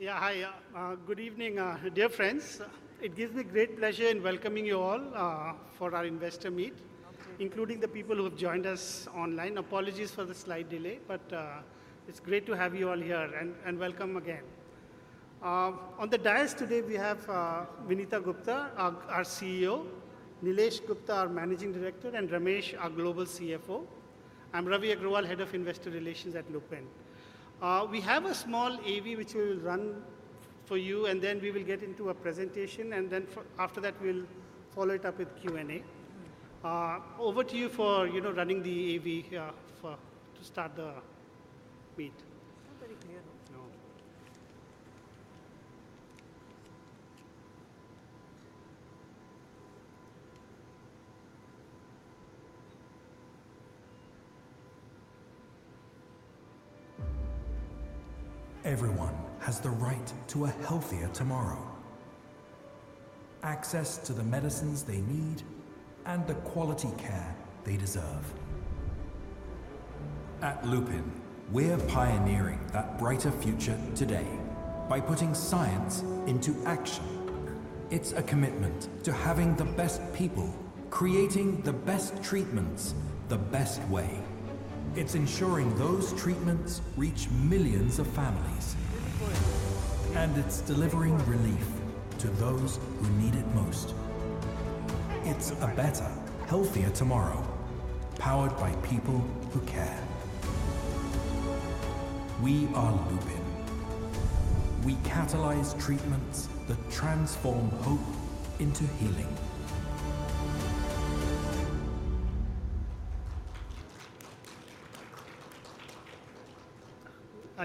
Yeah, hi. Good evening, dear friends. It gives me great pleasure in welcoming you all for our investor meet, including the people who have joined us online. Apologies for the slight delay, but it's great to have you all here and welcome again. On the dais today, we have Vinita Gupta, our CEO, Nilesh Gupta, our Managing Director, and Ramesh, our Global CFO. I'm Ravi Agrawal, Head of Investor Relations at Lupin. We have a small AV, which we will run for you, and then we will get into a presentation, and then after that, we'll follow it up with Q&A. Over to you for running the AV to start the meet. Not very clear. No. Everyone has the right to a healthier tomorrow, access to the medicines they need, and the quality care they deserve. At Lupin, we're pioneering that brighter future today by putting science into action. It's a commitment to having the best people creating the best treatments the best way. It's ensuring those treatments reach millions of families, and it's delivering relief to those who need it most. It's a better, healthier tomorrow powered by people who care. We are Lupin. We catalyze treatments that transform hope into healing.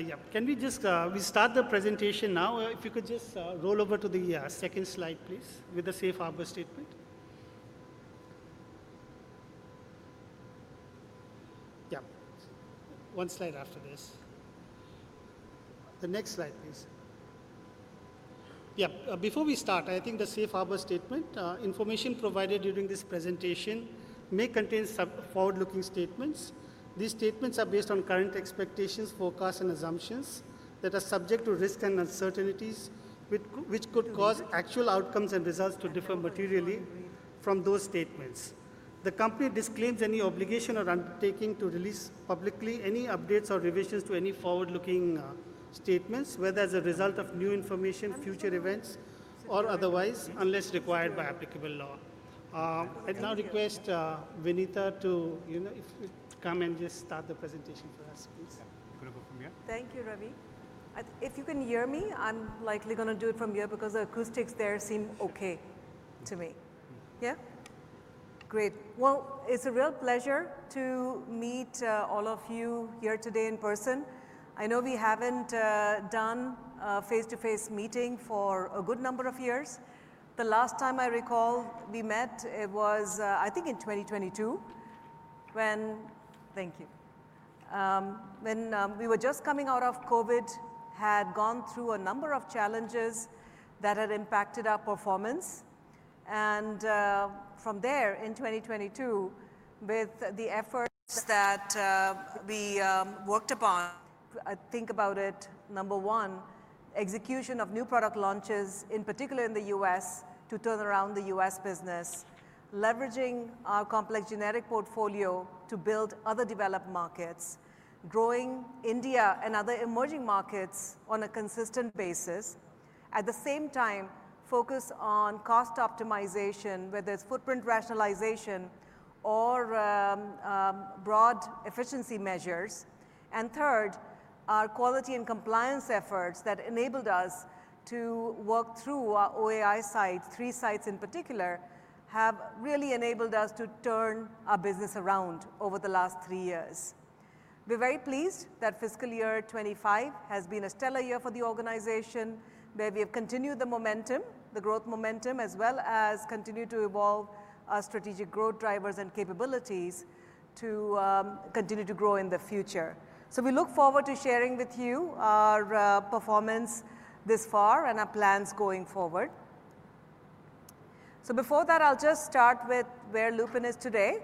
Yeah, can we just start the presentation now? If you could just roll over to the second slide, please, with the safe harbor statement. Yeah, one slide after this. The next slide, please. Yeah, before we start, I think the safe harbor statement, information provided during this presentation, may contain some forward-looking statements. These statements are based on current expectations, forecasts, and assumptions that are subject to risk and uncertainties, which could cause actual outcomes and results to differ materially from those statements. The company disclaims any obligation or undertaking to release publicly any updates or revisions to any forward-looking statements, whether as a result of new information, future events, or otherwise, unless required by applicable law. I'd now request Vinita to come and just start the presentation for us, please. Yeah, you could go from here. Thank you, Ravi. If you can hear me, I'm likely going to do it from here because the acoustics there seem OK to me. Yeah? Great. It is a real pleasure to meet all of you here today in person. I know we haven't done a face-to-face meeting for a good number of years. The last time I recall we met, it was, I think, in 2022, when, thank you, when we were just coming out of COVID, we had gone through a number of challenges that had impacted our performance. From there, in 2022, with the efforts that we worked upon, I think about it, number one, execution of new product launches, in particular in the US, to turn around the US business, leveraging our complex generic portfolio to build other developed markets, growing India and other emerging markets on a consistent basis. At the same time, focus on cost optimization, whether it's footprint rationalization or broad efficiency measures. Third, our quality and compliance efforts that enabled us to work through our OAI site, three sites in particular, have really enabled us to turn our business around over the last three years. We're very pleased that fiscal year 2025 has been a stellar year for the organization, where we have continued the momentum, the growth momentum, as well as continued to evolve our strategic growth drivers and capabilities to continue to grow in the future. We look forward to sharing with you our performance this far and our plans going forward. Before that, I'll just start with where Lupin is today.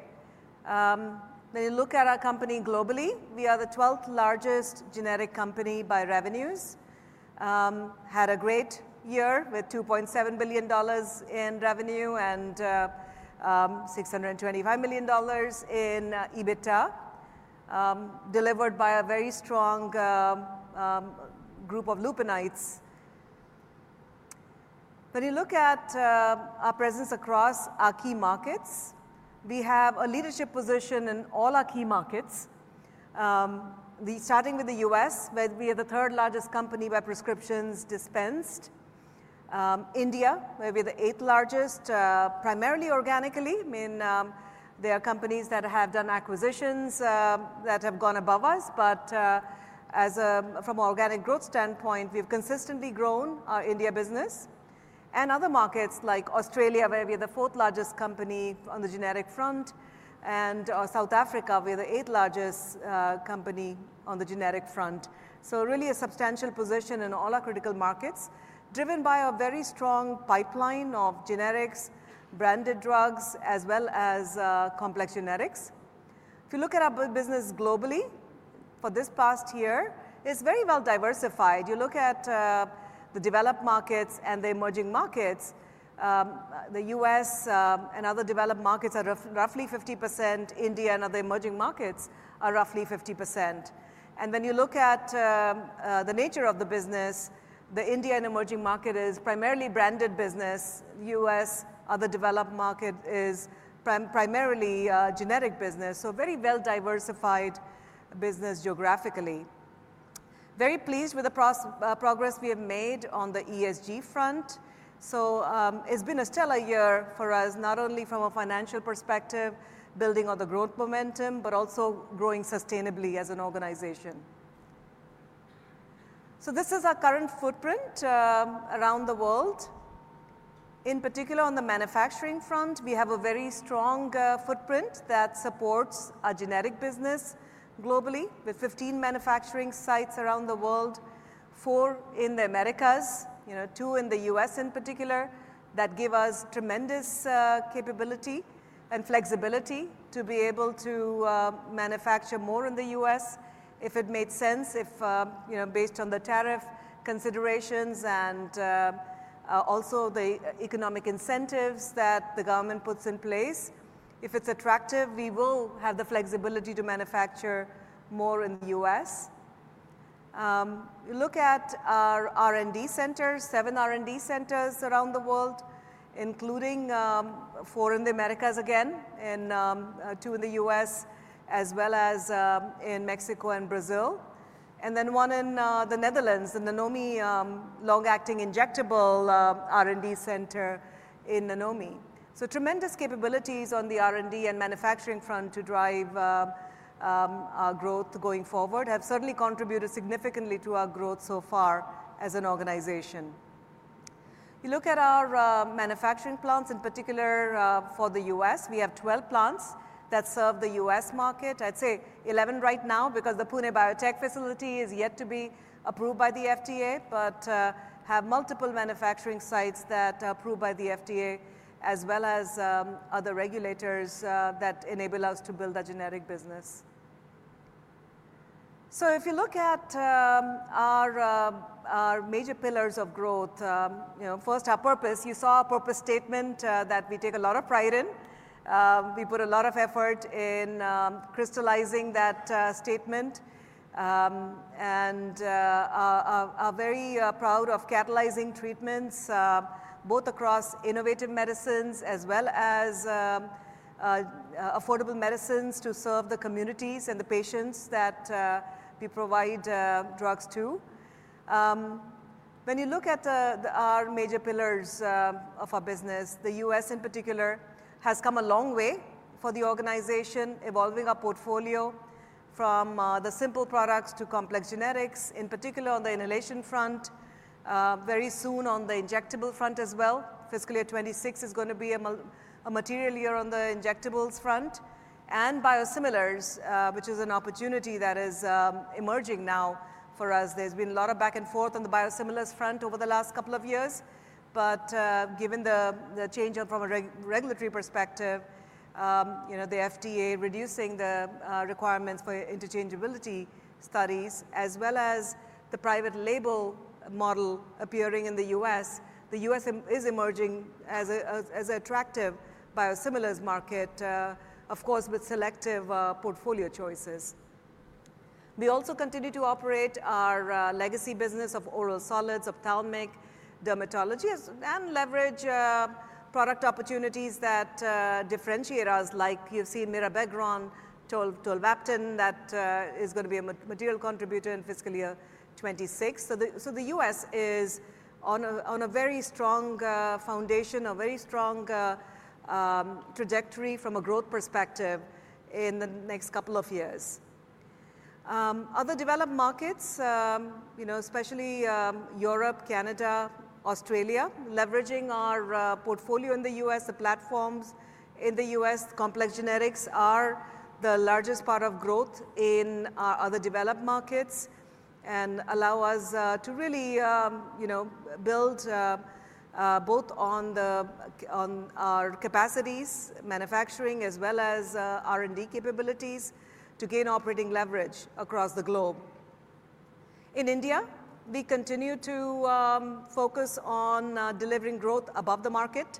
When you look at our company globally, we are the 12th largest generic company by revenues. Had a great year with $2.7 billion in revenue and $625 million in EBITDA, delivered by a very strong group of Lupinites. When you look at our presence across our key markets, we have a leadership position in all our key markets, starting with the U.S., where we are the third largest company by prescriptions dispensed. India, where we are the eighth largest, primarily organically. I mean, there are companies that have done acquisitions that have gone above us. But from an organic growth standpoint, we have consistently grown our India business. Other markets like Australia, where we are the fourth largest company on the generic front, and South Africa, where we are the eighth largest company on the generic front. Really a substantial position in all our critical markets, driven by a very strong pipeline of generics, branded drugs, as well as complex generics. If you look at our business globally for this past year, it's very well diversified. You look at the developed markets and the emerging markets. The U.S. and other developed markets are roughly 50%. India and other emerging markets are roughly 50%. When you look at the nature of the business, the Indian emerging market is primarily branded business. The U.S., other developed market, is primarily a generic business. Very well diversified business geographically. Very pleased with the progress we have made on the ESG front. It's been a stellar year for us, not only from a financial perspective, building on the growth momentum, but also growing sustainably as an organization. This is our current footprint around the world. In particular, on the manufacturing front, we have a very strong footprint that supports our generic business globally, with 15 manufacturing sites around the world, four in the Americas, two in the U.S. in particular, that give us tremendous capability and flexibility to be able to manufacture more in the U.S., if it made sense, based on the tariff considerations and also the economic incentives that the government puts in place. If it's attractive, we will have the flexibility to manufacture more in the U.S. You look at our R&D centers, seven R&D centers around the world, including four in the Americas again, and two in the U.S., as well as in Mexico and Brazil, and then one in the Netherlands, the Nanomi Long-Acting Injectable R&D Center in Nanomi. Tremendous capabilities on the R&D and manufacturing front to drive our growth going forward have certainly contributed significantly to our growth so far as an organization. You look at our manufacturing plants, in particular for the U.S., we have 12 plants that serve the U.S. market. I'd say 11 right now because the Pune Biotech facility is yet to be approved by the FDA, but have multiple manufacturing sites that are approved by the FDA, as well as other regulators that enable us to build our generic business. If you look at our major pillars of growth, first, our purpose. You saw our purpose statement that we take a lot of pride in. We put a lot of effort in crystallizing that statement and are very proud of catalyzing treatments, both across innovative medicines as well as affordable medicines to serve the communities and the patients that we provide drugs to. When you look at our major pillars of our business, the U.S. in particular has come a long way for the organization, evolving our portfolio from the simple products to complex generics, in particular on the inhalation front, very soon on the injectable front as well. Fiscal year 2026 is going to be a material year on the injectables front and biosimilars, which is an opportunity that is emerging now for us. There's been a lot of back and forth on the biosimilars front over the last couple of years. Given the change from a regulatory perspective, the FDA reducing the requirements for interchangeability studies, as well as the private label model appearing in the US, the US is emerging as an attractive biosimilars market, of course, with selective portfolio choices. We also continue to operate our legacy business of oral solids, ophthalmic dermatology, and leverage product opportunities that differentiate us, like you've seen Mirabegron, Tolvaptan, that is going to be a material contributor in fiscal year 2026. The US is on a very strong foundation, a very strong trajectory from a growth perspective in the next couple of years. Other developed markets, especially Europe, Canada, Australia, leveraging our portfolio in the US, the platforms in the US, complex generics are the largest part of growth in our other developed markets and allow us to really build both on our capacities, manufacturing, as well as R&D capabilities to gain operating leverage across the globe. In India, we continue to focus on delivering growth above the market.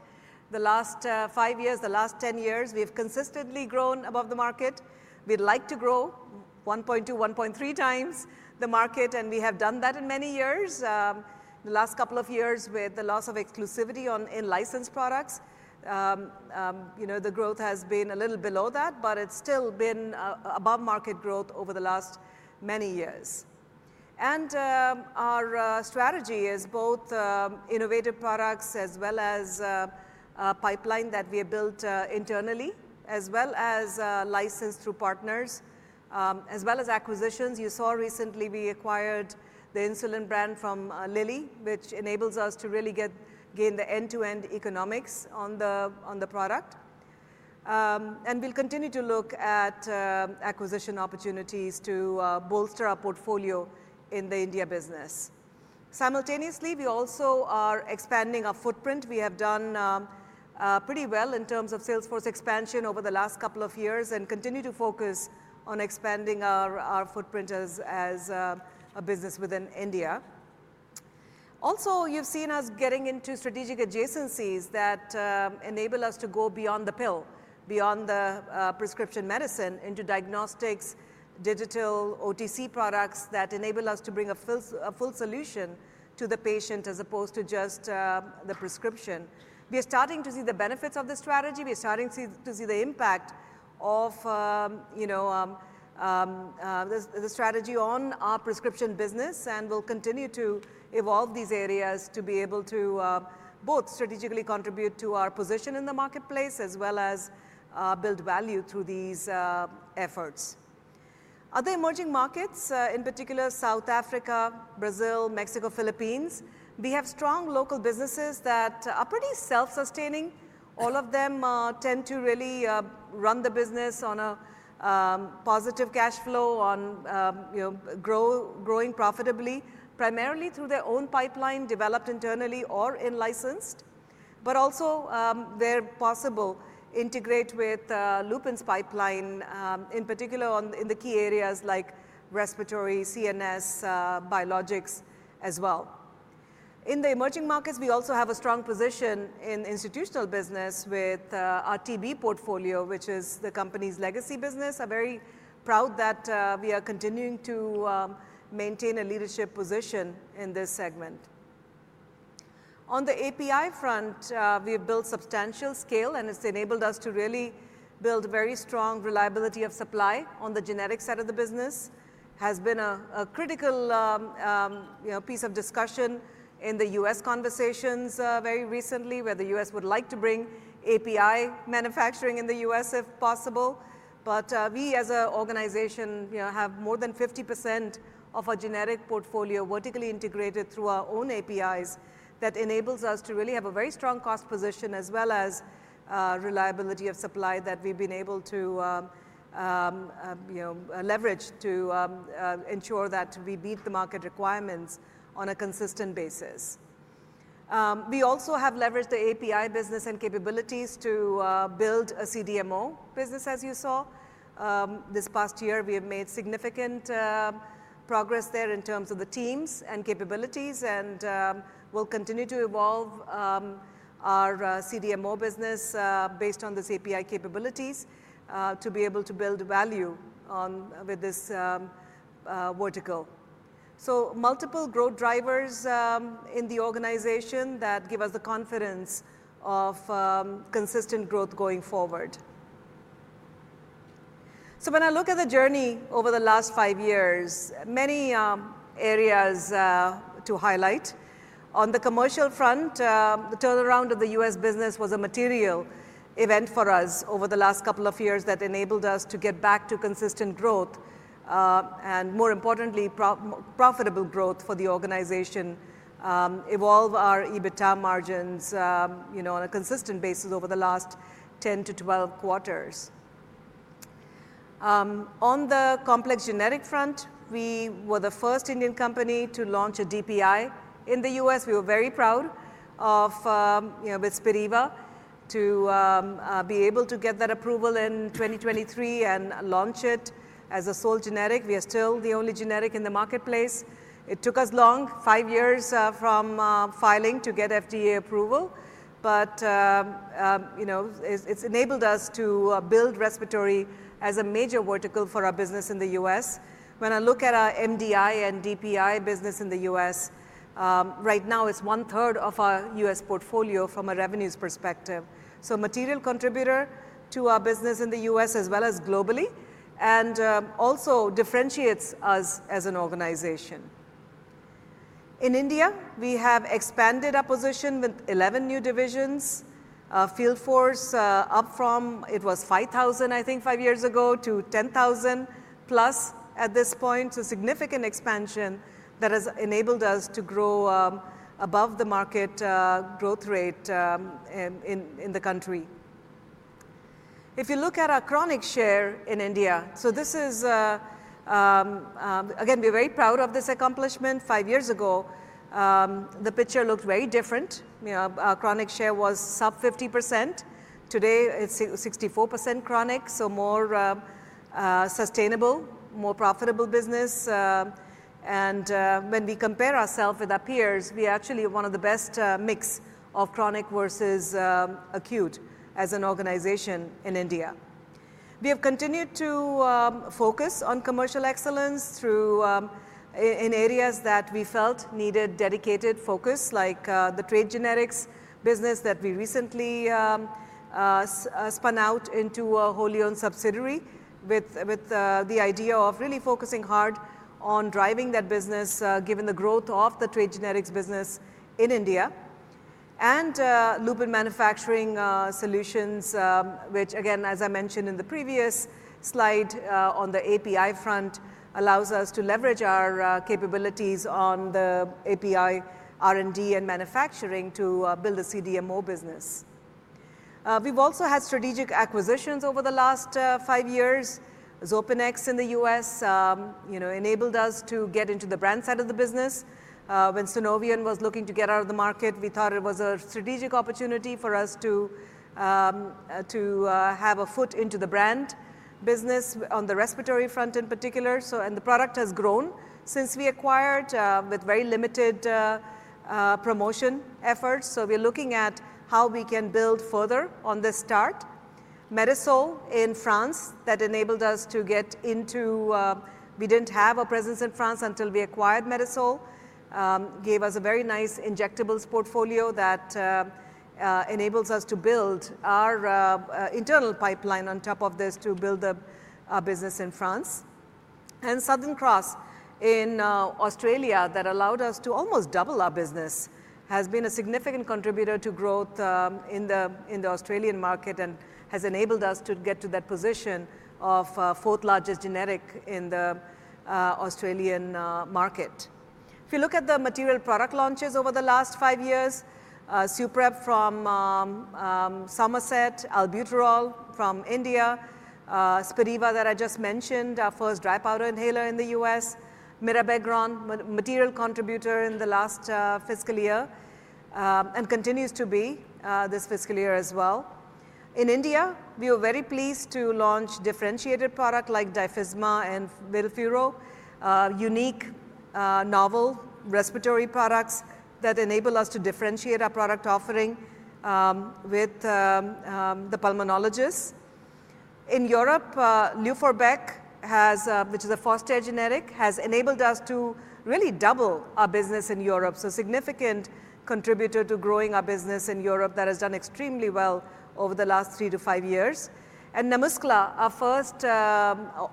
The last five years, the last 10 years, we have consistently grown above the market. We'd like to grow 1.2-1.3 times the market, and we have done that in many years. The last couple of years, with the loss of exclusivity in licensed products, the growth has been a little below that, but it's still been above market growth over the last many years. Our strategy is both innovative products as well as a pipeline that we have built internally, as well as licensed through partners, as well as acquisitions. You saw recently we acquired the insulin brand from Lilly, which enables us to really gain the end-to-end economics on the product. We will continue to look at acquisition opportunities to bolster our portfolio in the India business. Simultaneously, we also are expanding our footprint. We have done pretty well in terms of Salesforce expansion over the last couple of years and continue to focus on expanding our footprint as a business within India. Also, you have seen us getting into strategic adjacencies that enable us to go beyond the pill, beyond the prescription medicine, into diagnostics, digital OTC products that enable us to bring a full solution to the patient as opposed to just the prescription. We are starting to see the benefits of the strategy. We are starting to see the impact of the strategy on our prescription business, and we'll continue to evolve these areas to be able to both strategically contribute to our position in the marketplace as well as build value through these efforts. Other emerging markets, in particular South Africa, Brazil, Mexico, Philippines, we have strong local businesses that are pretty self-sustaining. All of them tend to really run the business on a positive cash flow, growing profitably, primarily through their own pipeline developed internally or in-licensed. Also, where possible, integrate with Lupin's pipeline, in particular in the key areas like respiratory, CNS, biologics as well. In the emerging markets, we also have a strong position in institutional business with our TB portfolio, which is the company's legacy business. I'm very proud that we are continuing to maintain a leadership position in this segment. On the API front, we have built substantial scale, and it's enabled us to really build very strong reliability of supply on the generic side of the business. It has been a critical piece of discussion in the U.S. conversations very recently, where the U.S. would like to bring API manufacturing in the U.S. if possible. We, as an organization, have more than 50% of our generic portfolio vertically integrated through our own APIs that enables us to really have a very strong cost position as well as reliability of supply that we've been able to leverage to ensure that we beat the market requirements on a consistent basis. We also have leveraged the API business and capabilities to build a CDMO business, as you saw. This past year, we have made significant progress there in terms of the teams and capabilities, and we'll continue to evolve our CDMO business based on this API capabilities to be able to build value with this vertical. Multiple growth drivers in the organization give us the confidence of consistent growth going forward. When I look at the journey over the last five years, many areas to highlight. On the commercial front, the turnaround of the U.S. business was a material event for us over the last couple of years that enabled us to get back to consistent growth and, more importantly, profitable growth for the organization, evolve our EBITDA margins on a consistent basis over the last 10-12 quarters. On the complex generic front, we were the first Indian company to launch a DPI in the U.S. We were very proud of with Spiriva to be able to get that approval in 2023 and launch it as a sole generic. We are still the only generic in the marketplace. It took us long, five years from filing to get FDA approval. It has enabled us to build respiratory as a major vertical for our business in the US. When I look at our MDI and DPI business in the US, right now it is one-third of our US portfolio from a revenues perspective. It is a material contributor to our business in the US as well as globally, and also differentiates us as an organization. In India, we have expanded our position with 11 new divisions. Field Force up from it was 5,000, I think, five years ago to 10,000 plus at this point, so significant expansion that has enabled us to grow above the market growth rate in the country. If you look at our chronic share in India, so this is, again, we're very proud of this accomplishment. Five years ago, the picture looked very different. Our chronic share was sub 50%. Today, it's 64% chronic, so more sustainable, more profitable business. When we compare ourselves with our peers, we actually are one of the best mix of chronic versus acute as an organization in India. We have continued to focus on commercial excellence in areas that we felt needed dedicated focus, like the trade generics business that we recently spun out into a wholly owned subsidiary with the idea of really focusing hard on driving that business, given the growth of the trade generics business in India. Lupin Manufacturing Solutions, which, again, as I mentioned in the previous slide, on the API front, allows us to leverage our capabilities on the API, R&D, and manufacturing to build a CDMO business. We have also had strategic acquisitions over the last five years. Zopenex in the US enabled us to get into the brand side of the business. When Synovian was looking to get out of the market, we thought it was a strategic opportunity for us to have a foot into the brand business on the respiratory front in particular. The product has grown since we acquired with very limited promotion efforts. We are looking at how we can build further on this start. Medisol in France enabled us to get into, we did not have a presence in France until we acquired Medisol, gave us a very nice injectables portfolio that enables us to build our internal pipeline on top of this to build our business in France. Southern Cross in Australia allowed us to almost double our business, has been a significant contributor to growth in the Australian market, and has enabled us to get to that position of fourth largest generic in the Australian market. If you look at the material product launches over the last five years, Suprab from Somerset, Albuterol from India, Spiriva that I just mentioned, our first dry powder inhaler in the U.S., Mirabegron, material contributor in the last fiscal year and continues to be this fiscal year as well. In India, we were very pleased to launch differentiated product like Difisma and Vilfero, unique, novel respiratory products that enable us to differentiate our product offering with the pulmonologists. In Europe, Nuforbec, which is a Foster generic, has enabled us to really double our business in Europe, so significant contributor to growing our business in Europe that has done extremely well over the last three to five years. Namuskla, our first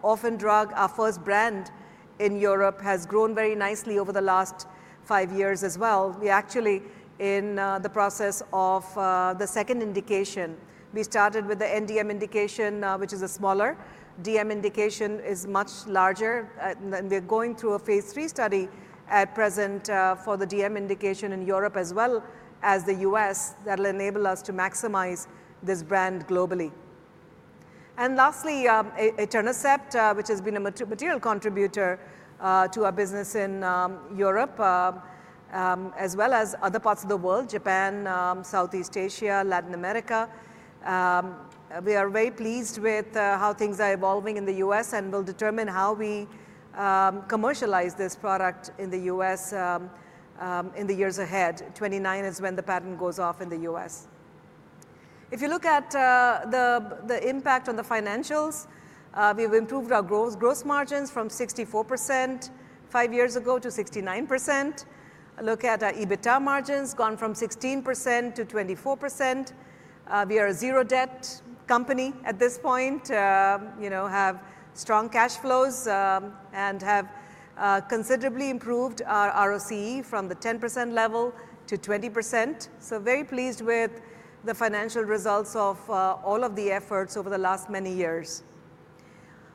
orphan drug, our first brand in Europe, has grown very nicely over the last five years as well. We actually, in the process of the second indication, we started with the NDM indication, which is a smaller DM indication, is much larger. We are going through a phase three study at present for the DM indication in Europe as well as the U.S. that will enable us to maximize this brand globally. Lastly, Etanercept, which has been a material contributor to our business in Europe as well as other parts of the world, Japan, Southeast Asia, Latin America. We are very pleased with how things are evolving in the U.S. and will determine how we commercialize this product in the U.S. in the years ahead. 2029 is when the patent goes off in the U.S. If you look at the impact on the financials, we have improved our gross margins from 64% five years ago to 69%. Look at our EBITDA margins, gone from 16% to 24%. We are a zero-debt company at this point, have strong cash flows, and have considerably improved our ROC from the 10% level to 20%. Very pleased with the financial results of all of the efforts over the last many years.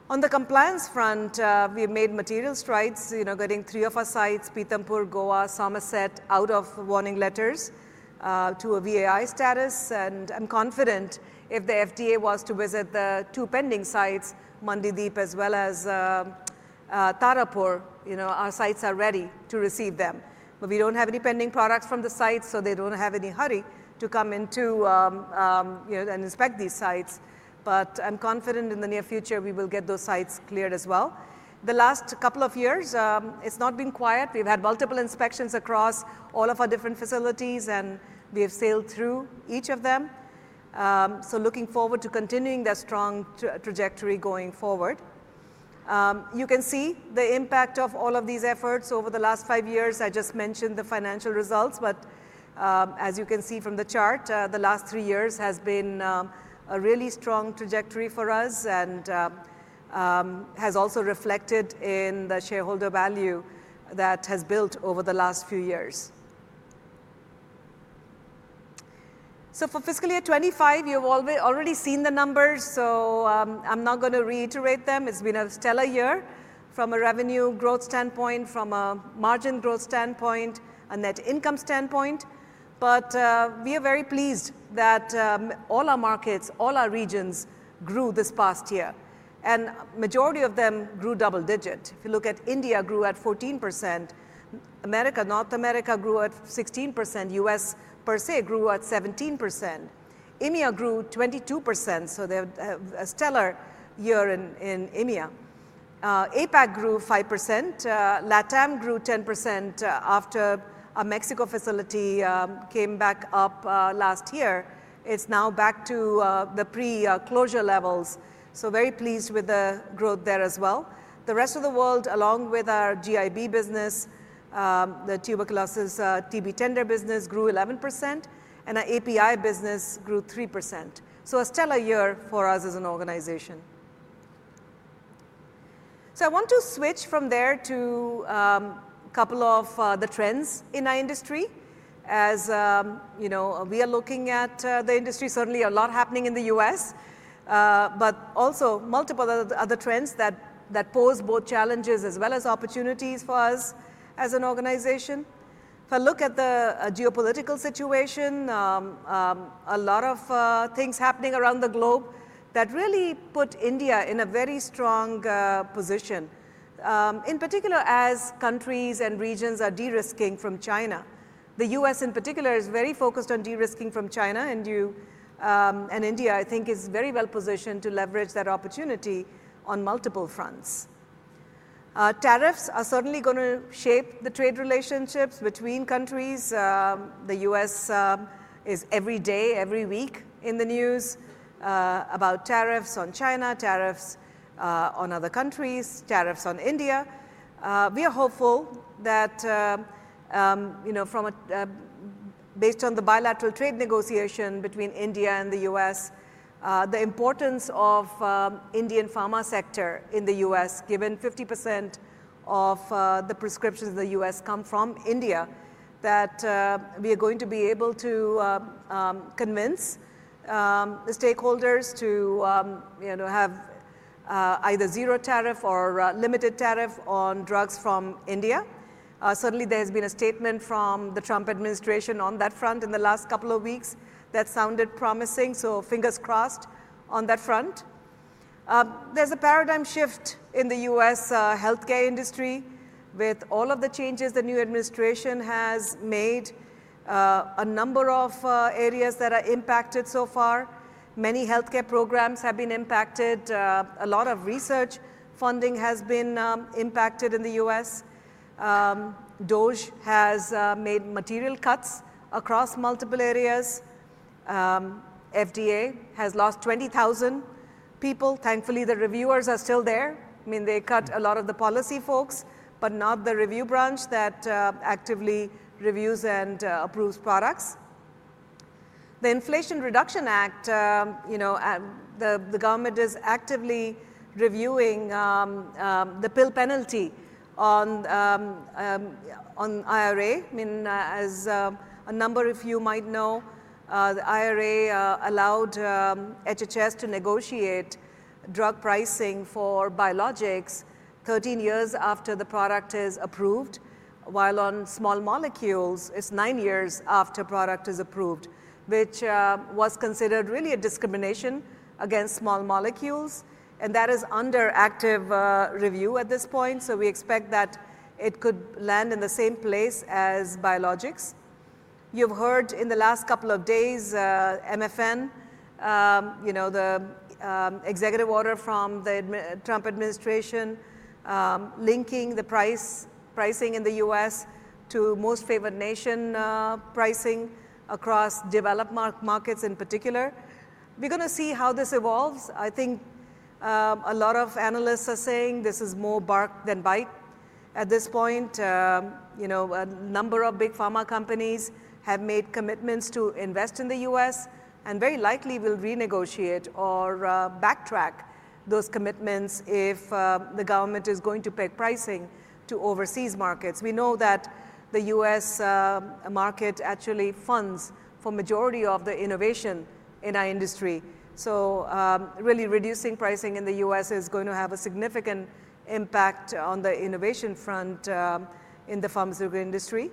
On the compliance front, we have made material strides, getting three of our sites, Pithampur, Goa, Somerset, out of warning letters to a VAI status. I am confident if the FDA was to visit the two pending sites, Mandideep as well as Tarapur, our sites are ready to receive them. We do not have any pending products from the sites, so they do not have any hurry to come in to and inspect these sites. I am confident in the near future, we will get those sites cleared as well. The last couple of years, it has not been quiet. We've had multiple inspections across all of our different facilities, and we have sailed through each of them. Looking forward to continuing that strong trajectory going forward. You can see the impact of all of these efforts over the last five years. I just mentioned the financial results, but as you can see from the chart, the last three years has been a really strong trajectory for us and has also reflected in the shareholder value that has built over the last few years. For fiscal year 2025, you've already seen the numbers, so I'm not going to reiterate them. It's been a stellar year from a revenue growth standpoint, from a margin growth standpoint, and that income standpoint. We are very pleased that all our markets, all our regions grew this past year. The majority of them grew double-digit. If you look at India, grew at 14%. America, North America grew at 16%. US per se grew at 17%. EMEA grew 22%. They have a stellar year in EMEA. APAC grew 5%. LATAM grew 10% after a Mexico facility came back up last year. It is now back to the pre-closure levels. Very pleased with the growth there as well. The rest of the world, along with our GIB business, the tuberculosis TB tender business, grew 11%, and our API business grew 3%. A stellar year for us as an organization. I want to switch from there to a couple of the trends in our industry. As we are looking at the industry, certainly a lot happening in the US, but also multiple other trends that pose both challenges as well as opportunities for us as an organization. If I look at the geopolitical situation, a lot of things happening around the globe that really put India in a very strong position. In particular, as countries and regions are de-risking from China, the U.S. in particular is very focused on de-risking from China. India, I think, is very well positioned to leverage that opportunity on multiple fronts. Tariffs are certainly going to shape the trade relationships between countries. The U.S. is every day, every week in the news about tariffs on China, tariffs on other countries, tariffs on India. We are hopeful that based on the bilateral trade negotiation between India and the U.S., the importance of the Indian pharma sector in the U.S., given 50% of the prescriptions in the U.S. come from India, that we are going to be able to convince the stakeholders to have either zero tariff or limited tariff on drugs from India. Certainly, there has been a statement from the Trump administration on that front in the last couple of weeks that sounded promising. Fingers crossed on that front. There is a paradigm shift in the U.S. healthcare industry with all of the changes the new administration has made. A number of areas that are impacted so far. Many healthcare programs have been impacted. A lot of research funding has been impacted in the U.S. DOJ has made material cuts across multiple areas. FDA has lost 20,000 people. Thankfully, the reviewers are still there. I mean, they cut a lot of the policy folks, but not the review branch that actively reviews and approves products. The Inflation Reduction Act, the government is actively reviewing the Pill penalty on IRA. I mean, as a number of you might know, the IRA allowed HHS to negotiate drug pricing for biologics 13 years after the product is approved, while on small molecules, it's nine years after product is approved, which was considered really a discrimination against small molecules. That is under active review at this point. We expect that it could land in the same place as biologics. You've heard in the last couple of days, MFN, the executive order from the Trump administration linking the pricing in the U.S. to most favored nation pricing across developed markets in particular. We're going to see how this evolves. I think a lot of analysts are saying this is more bark than bite at this point. A number of big pharma companies have made commitments to invest in the U.S. and very likely will renegotiate or backtrack those commitments if the government is going to pick pricing to overseas markets. We know that the U.S. market actually funds for majority of the innovation in our industry. Really reducing pricing in the U.S. is going to have a significant impact on the innovation front in the pharmaceutical industry.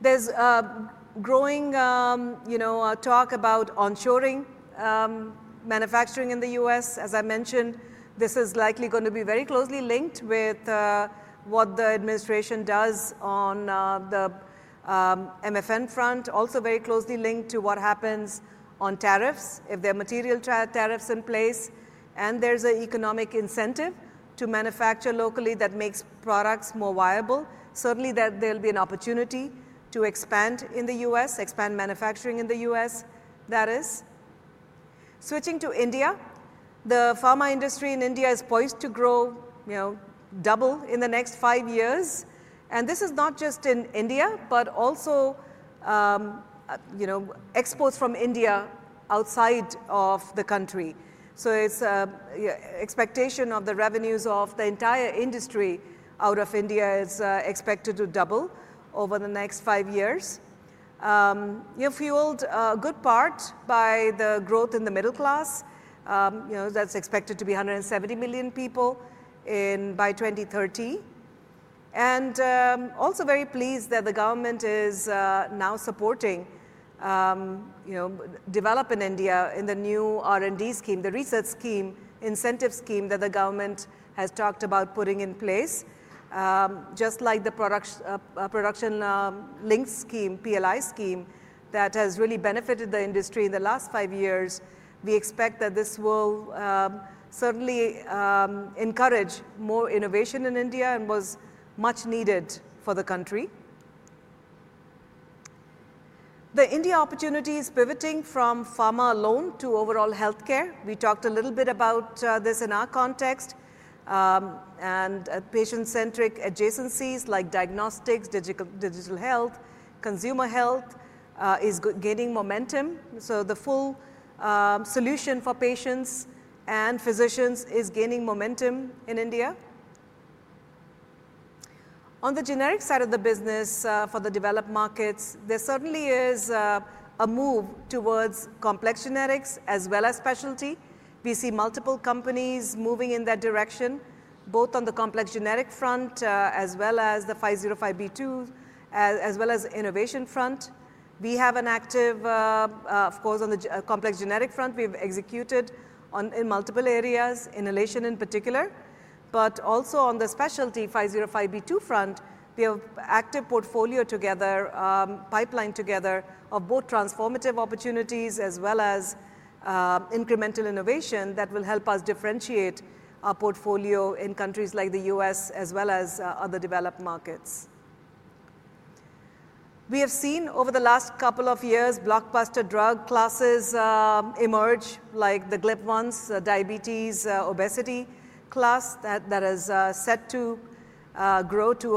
There is growing talk about onshoring manufacturing in the U.S. As I mentioned, this is likely going to be very closely linked with what the administration does on the MFN front, also very closely linked to what happens on tariffs, if there are material tariffs in place. There is an economic incentive to manufacture locally that makes products more viable. Certainly, there'll be an opportunity to expand in the U.S., expand manufacturing in the U.S., that is. Switching to India, the pharma industry in India is poised to grow double in the next five years. This is not just in India, but also exports from India outside of the country. It is an expectation of the revenues of the entire industry out of India is expected to double over the next five years. You're fueled a good part by the growth in the middle class. That's expected to be 170 million people by 2030. Also very pleased that the government is now supporting development in India in the new R&D scheme, the research scheme, incentive scheme that the government has talked about putting in place. Just like the Production Linked Incentive scheme, PLI scheme that has really benefited the industry in the last five years, we expect that this will certainly encourage more innovation in India and was much needed for the country. The India opportunity is pivoting from pharma alone to overall healthcare. We talked a little bit about this in our context. Patient-centric adjacencies like diagnostics, digital health, consumer health is gaining momentum. The full solution for patients and physicians is gaining momentum in India. On the generic side of the business for the developed markets, there certainly is a move towards complex generics as well as specialty. We see multiple companies moving in that direction, both on the complex generic front as well as the 505(b)(2), as well as innovation front. We have been active, of course, on the complex generic front. We've executed in multiple areas, inhalation in particular. Also on the specialty 505(b)(2) front, we have an active portfolio together, pipeline together of both transformative opportunities as well as incremental innovation that will help us differentiate our portfolio in countries like the U.S. as well as other developed markets. We have seen over the last couple of years, blockbuster drug classes emerge like the GLP-1s, diabetes, obesity class that is set to grow to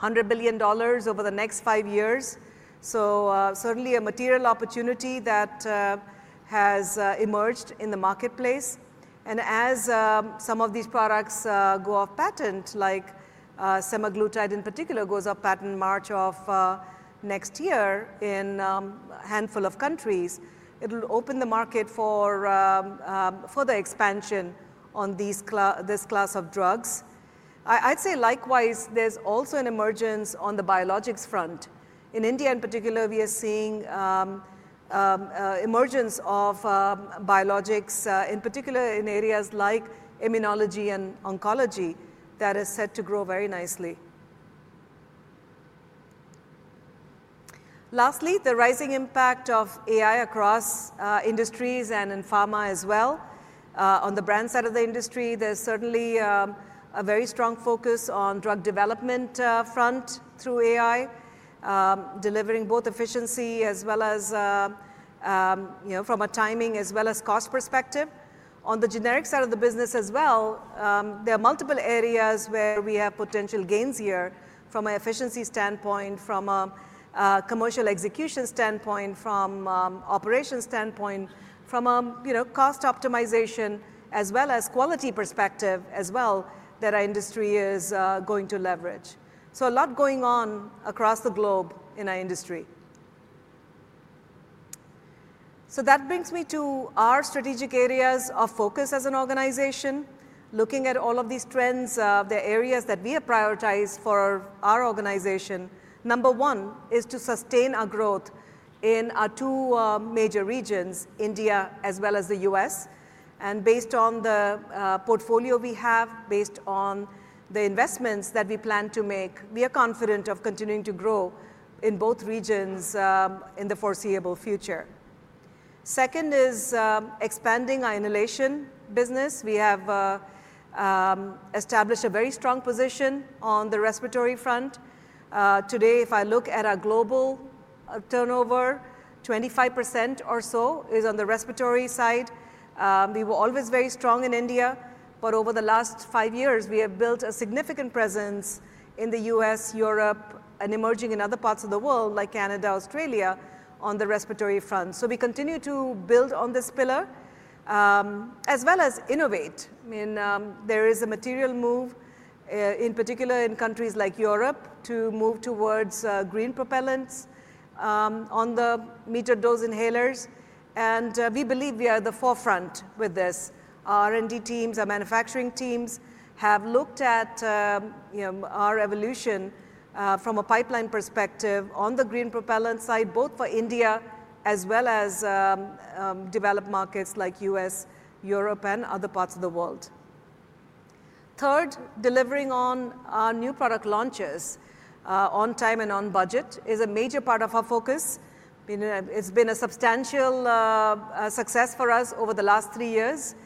$100 billion over the next five years. Certainly a material opportunity that has emerged in the marketplace. As some of these products go off patent, like semaglutide in particular, goes off patent March of next year in a handful of countries, it will open the market for further expansion on this class of drugs. I'd say likewise, there is also an emergence on the biologics front. In India in particular, we are seeing emergence of biologics, in particular in areas like immunology and oncology that is set to grow very nicely. Lastly, the rising impact of AI across industries and in pharma as well. On the brand side of the industry, there's certainly a very strong focus on drug development front through AI, delivering both efficiency as well as from a timing as well as cost perspective. On the generic side of the business as well, there are multiple areas where we have potential gains here from an efficiency standpoint, from a commercial execution standpoint, from an operation standpoint, from a cost optimization as well as quality perspective as well that our industry is going to leverage. A lot going on across the globe in our industry. That brings me to our strategic areas of focus as an organization. Looking at all of these trends, the areas that we have prioritized for our organization, number one is to sustain our growth in our two major regions, India as well as the US. Based on the portfolio we have, based on the investments that we plan to make, we are confident of continuing to grow in both regions in the foreseeable future. Second is expanding our inhalation business. We have established a very strong position on the respiratory front. Today, if I look at our global turnover, 25% or so is on the respiratory side. We were always very strong in India, but over the last five years, we have built a significant presence in the US, Europe, and emerging in other parts of the world like Canada, Australia on the respiratory front. We continue to build on this pillar as well as innovate. I mean, there is a material move, in particular in countries like Europe, to move towards green propellants on the metered dose inhalers. We believe we are at the forefront with this. Our R&D teams, our manufacturing teams have looked at our evolution from a pipeline perspective on the green propellant side, both for India as well as developed markets like the U.S., Europe, and other parts of the world. Third, delivering on our new product launches on time and on budget is a major part of our focus. It's been a substantial success for us over the last three years.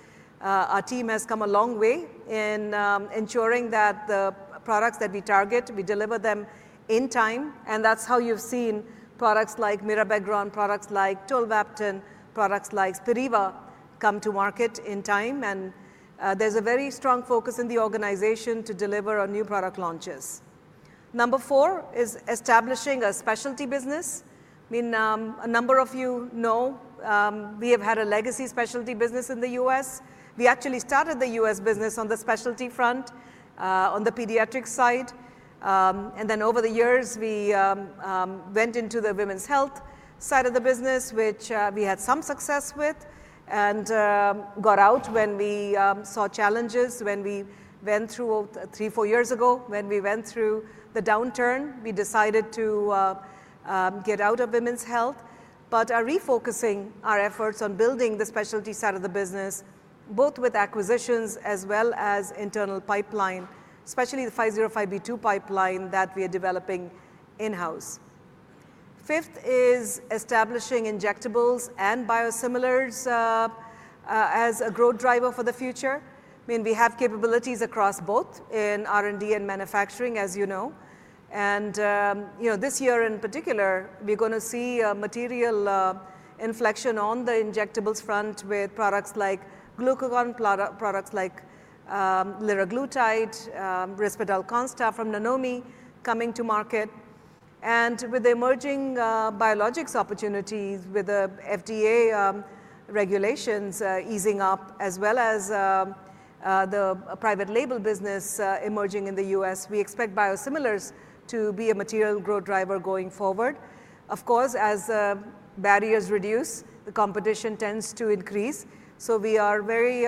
Our team has come a long way in ensuring that the products that we target, we deliver them in time. That's how you've seen products like Mirabegron, products like Tolvaptan, products like Spiriva come to market in time. There is a very strong focus in the organization to deliver our new product launches. Number four is establishing a specialty business. I mean, a number of you know we have had a legacy specialty business in the U.S. We actually started the U.S. business on the specialty front on the pediatric side. Then over the years, we went into the women's health side of the business, which we had some success with and got out when we saw challenges, when we went through three, four years ago, when we went through the downturn, we decided to get out of women's health. We are refocusing our efforts on building the specialty side of the business, both with acquisitions as well as internal pipeline, especially the 505(b)(2) pipeline that we are developing in-house. Fifth is establishing injectables and biosimilars as a growth driver for the future. I mean, we have capabilities across both in R&D and manufacturing, as you know. This year in particular, we're going to see a material inflection on the injectables front with products like Glucagon, products like Liraglutide, Risperdal Consta from Nanomi coming to market. With the emerging biologics opportunities, with the FDA regulations easing up, as well as the private label business emerging in the US, we expect biosimilars to be a material growth driver going forward. Of course, as barriers reduce, the competition tends to increase. We are very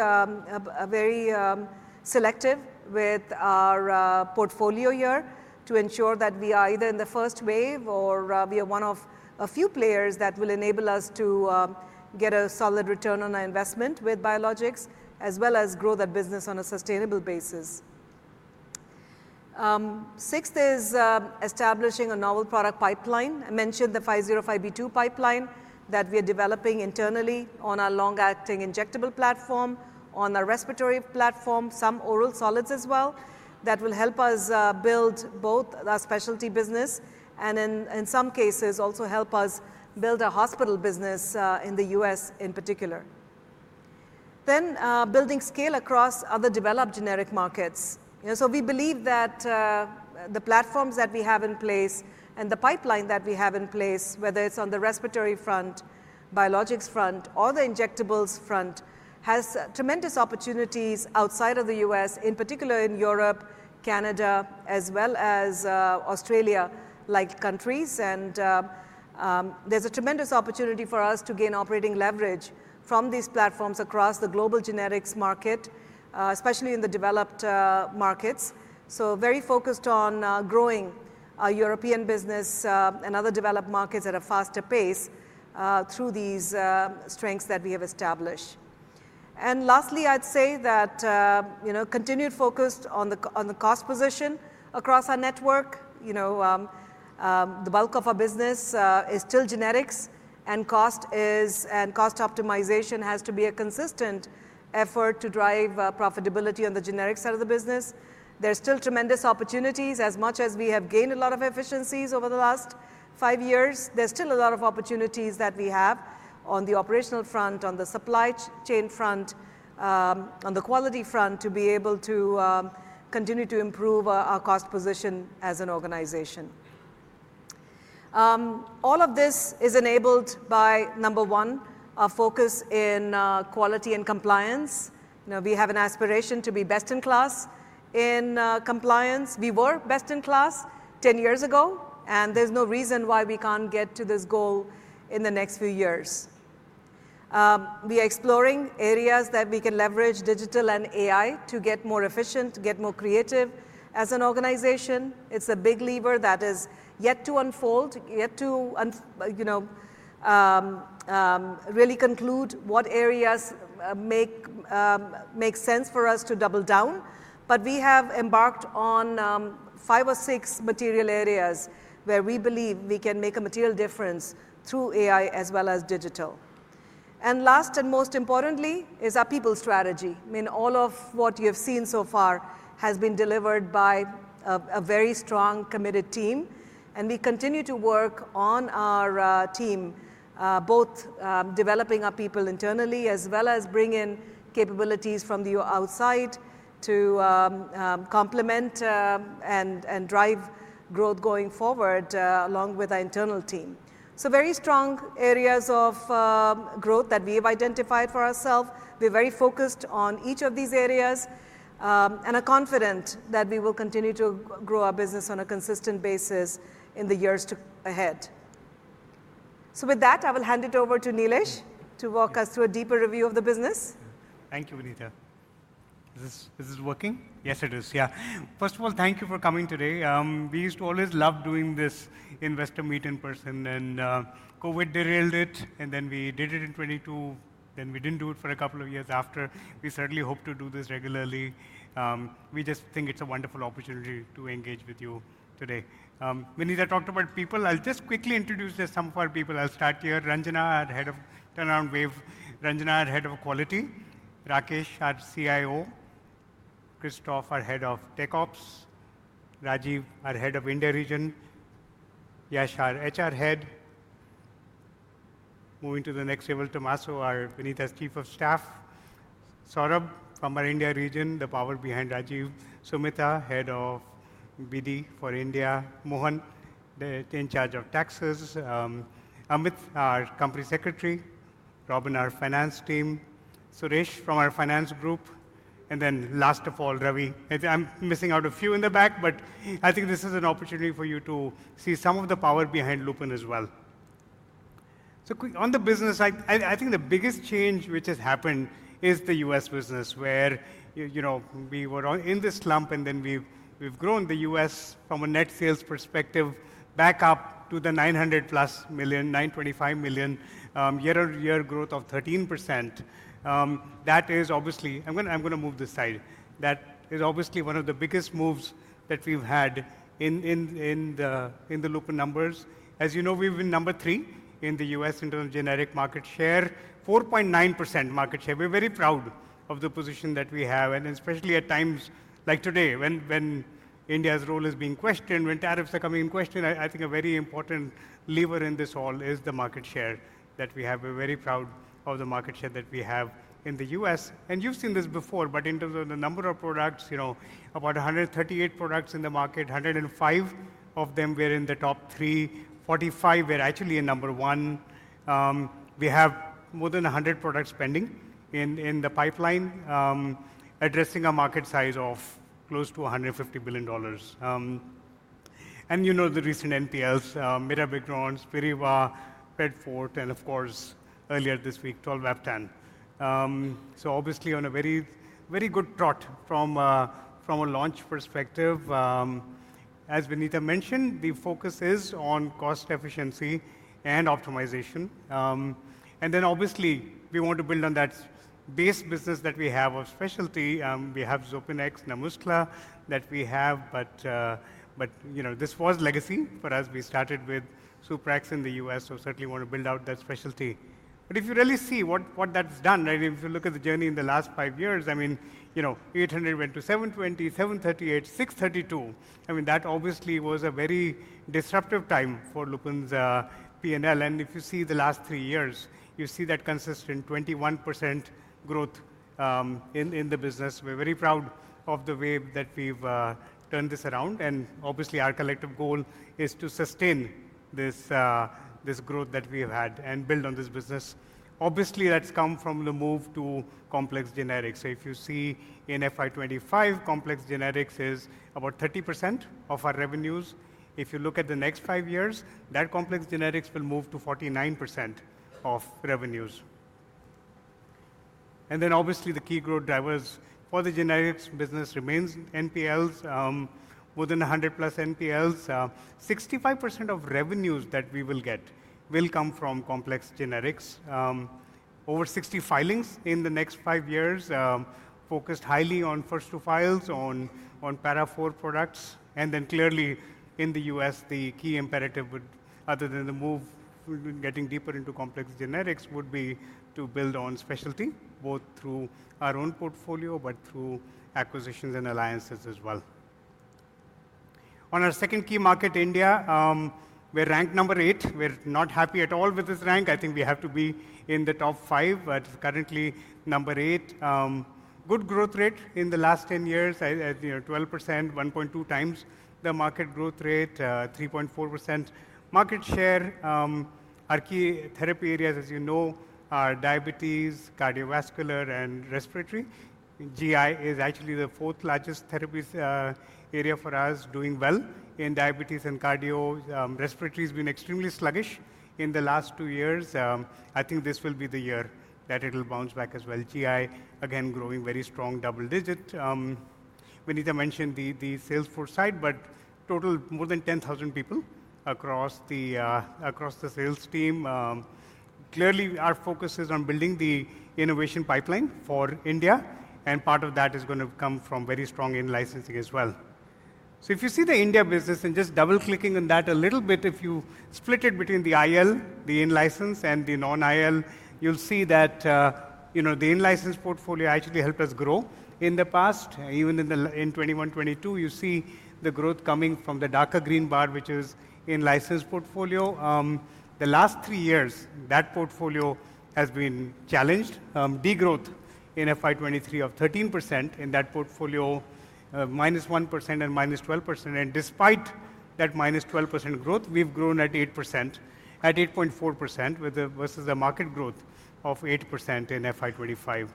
selective with our portfolio here to ensure that we are either in the first wave or we are one of a few players that will enable us to get a solid return on our investment with biologics, as well as grow that business on a sustainable basis. Sixth is establishing a novel product pipeline. I mentioned the 505(b)(2) pipeline that we are developing internally on our long-acting injectable platform, on our respiratory platform, some oral solids as well that will help us build both our specialty business and in some cases also help us build our hospital business in the U.S. in particular. Building scale across other developed generic markets is also a focus. We believe that the platforms that we have in place and the pipeline that we have in place, whether it is on the respiratory front, biologics front, or the injectables front, has tremendous opportunities outside of the U.S., in particular in Europe, Canada, as well as Australia-like countries. There is a tremendous opportunity for us to gain operating leverage from these platforms across the global generics market, especially in the developed markets. are very focused on growing our European business and other developed markets at a faster pace through these strengths that we have established. Lastly, I'd say that continued focus on the cost position across our network. The bulk of our business is still generics, and cost optimization has to be a consistent effort to drive profitability on the generic side of the business. There's still tremendous opportunities. As much as we have gained a lot of efficiencies over the last five years, there's still a lot of opportunities that we have on the operational front, on the supply chain front, on the quality front to be able to continue to improve our cost position as an organization. All of this is enabled by, number one, our focus in quality and compliance. We have an aspiration to be best in class in compliance. We were best in class 10 years ago, and there's no reason why we can't get to this goal in the next few years. We are exploring areas that we can leverage digital and AI to get more efficient, get more creative as an organization. It's a big lever that is yet to unfold, yet to really conclude what areas make sense for us to double down. We have embarked on five or six material areas where we believe we can make a material difference through AI as well as digital. Last and most importantly is our people strategy. I mean, all of what you have seen so far has been delivered by a very strong, committed team. We continue to work on our team, both developing our people internally as well as bringing in capabilities from the outside to complement and drive growth going forward along with our internal team. Very strong areas of growth that we have identified for ourselves. We are very focused on each of these areas and are confident that we will continue to grow our business on a consistent basis in the years ahead. With that, I will hand it over to Nilesh to walk us through a deeper review of the business. Thank you, Vinita. Is this working? Yes, it is. Yeah. First of all, thank you for coming today. We used to always love doing this investor meet in person, and COVID derailed it, and then we did it in 2022. Then we did not do it for a couple of years after. We certainly hope to do this regularly. We just think it is a wonderful opportunity to engage with you today. Vinita talked about people. I will just quickly introduce some of our people. I will start here. Ranjana, our Head of Quality. Rakesh, our CIO. Christophe, our Head of Tech Ops. Rajeev, our Head of India Region. Yash, our HR Head. Moving to the next table, Tommaso, our CEO's Chief of Staff. Saurabh from our India region, the power behind Rajeev. Sumitha, Head of BD for India. Mohan, the in-charge of taxes. Amit, our Company Secretary. Robin, our finance team. Suresh from our finance group. And then last of all, Ravi. I'm missing out a few in the back, but I think this is an opportunity for you to see some of the power behind Lupin as well. On the business side, I think the biggest change which has happened is the US business, where we were in this slump, and then we've grown the US from a net sales perspective back up to the $900 million-plus, $925 million year-over-year growth of 13%. That is obviously I'm going to move this side. That is obviously one of the biggest moves that we've had in the Lupin numbers. As you know, we've been number three in the US in terms of generic market share, 4.9% market share. We're very proud of the position that we have. Especially at times like today, when India's role is being questioned, when tariffs are coming into question, I think a very important lever in this all is the market share that we have. We're very proud of the market share that we have in the US. You've seen this before, but in terms of the number of products, about 138 products in the market, 105 of them were in the top three. Forty-five were actually in number one. We have more than 100 products pending in the pipeline, addressing a market size of close to $150 billion. You know the recent NPLs, Mirabegron, Spiriva, Bedford, and of course, earlier this week, Tolvaptan. Obviously on a very good trot from a launch perspective. As Vinita mentioned, the focus is on cost efficiency and optimization. Obviously, we want to build on that base business that we have of specialty. We have Zopenex, Namuskla that we have, but this was legacy for us. We started with Suprax in the US, so certainly want to build out that specialty. If you really see what that's done, if you look at the journey in the last five years, I mean, 800 went to 720, 738, 632. That obviously was a very disruptive time for Lupin's P&L. If you see the last three years, you see that consistent 21% growth in the business. We're very proud of the way that we've turned this around. Obviously, our collective goal is to sustain this growth that we have had and build on this business. Obviously, that's come from the move to complex generics. If you see in FY25, complex generics is about 30% of our revenues. If you look at the next five years, that complex generics will move to 49% of revenues. Obviously, the key growth drivers for the generics business remain NPLs, more than 100 plus NPLs. 65% of revenues that we will get will come from complex generics. Over 60 filings in the next five years, focused highly on first two files on Para IV products. Clearly, in the U.S., the key imperative, other than the move getting deeper into complex generics, would be to build on specialty, both through our own portfolio, but through acquisitions and alliances as well. On our second key market, India, we're ranked number eight. We're not happy at all with this rank. I think we have to be in the top five, but currently number eight. Good growth rate in the last 10 years, 12%, 1.2 times the market growth rate, 3.4% market share. Our key therapy areas, as you know, are diabetes, cardiovascular, and respiratory. GI is actually the fourth largest therapy area for us, doing well in diabetes and cardio. Respiratory has been extremely sluggish in the last two years. I think this will be the year that it'll bounce back as well. GI, again, growing very strong, double digit. Vinita mentioned the sales force side, but total more than 10,000 people across the sales team. Clearly, our focus is on building the innovation pipeline for India. Part of that is going to come from very strong in-licensing as well. If you see the India business and just double-clicking on that a little bit, if you split it between the IL, the in-license, and the non-IL, you'll see that the in-license portfolio actually helped us grow in the past. Even in 2021, 2022, you see the growth coming from the darker green bar, which is in-license portfolio. The last three years, that portfolio has been challenged. Degrowth in FY2023 of 13% in that portfolio, minus 1% and minus 12%. Despite that minus 12% growth, we've grown at 8%, at 8.4% versus the market growth of 8% in FY2025.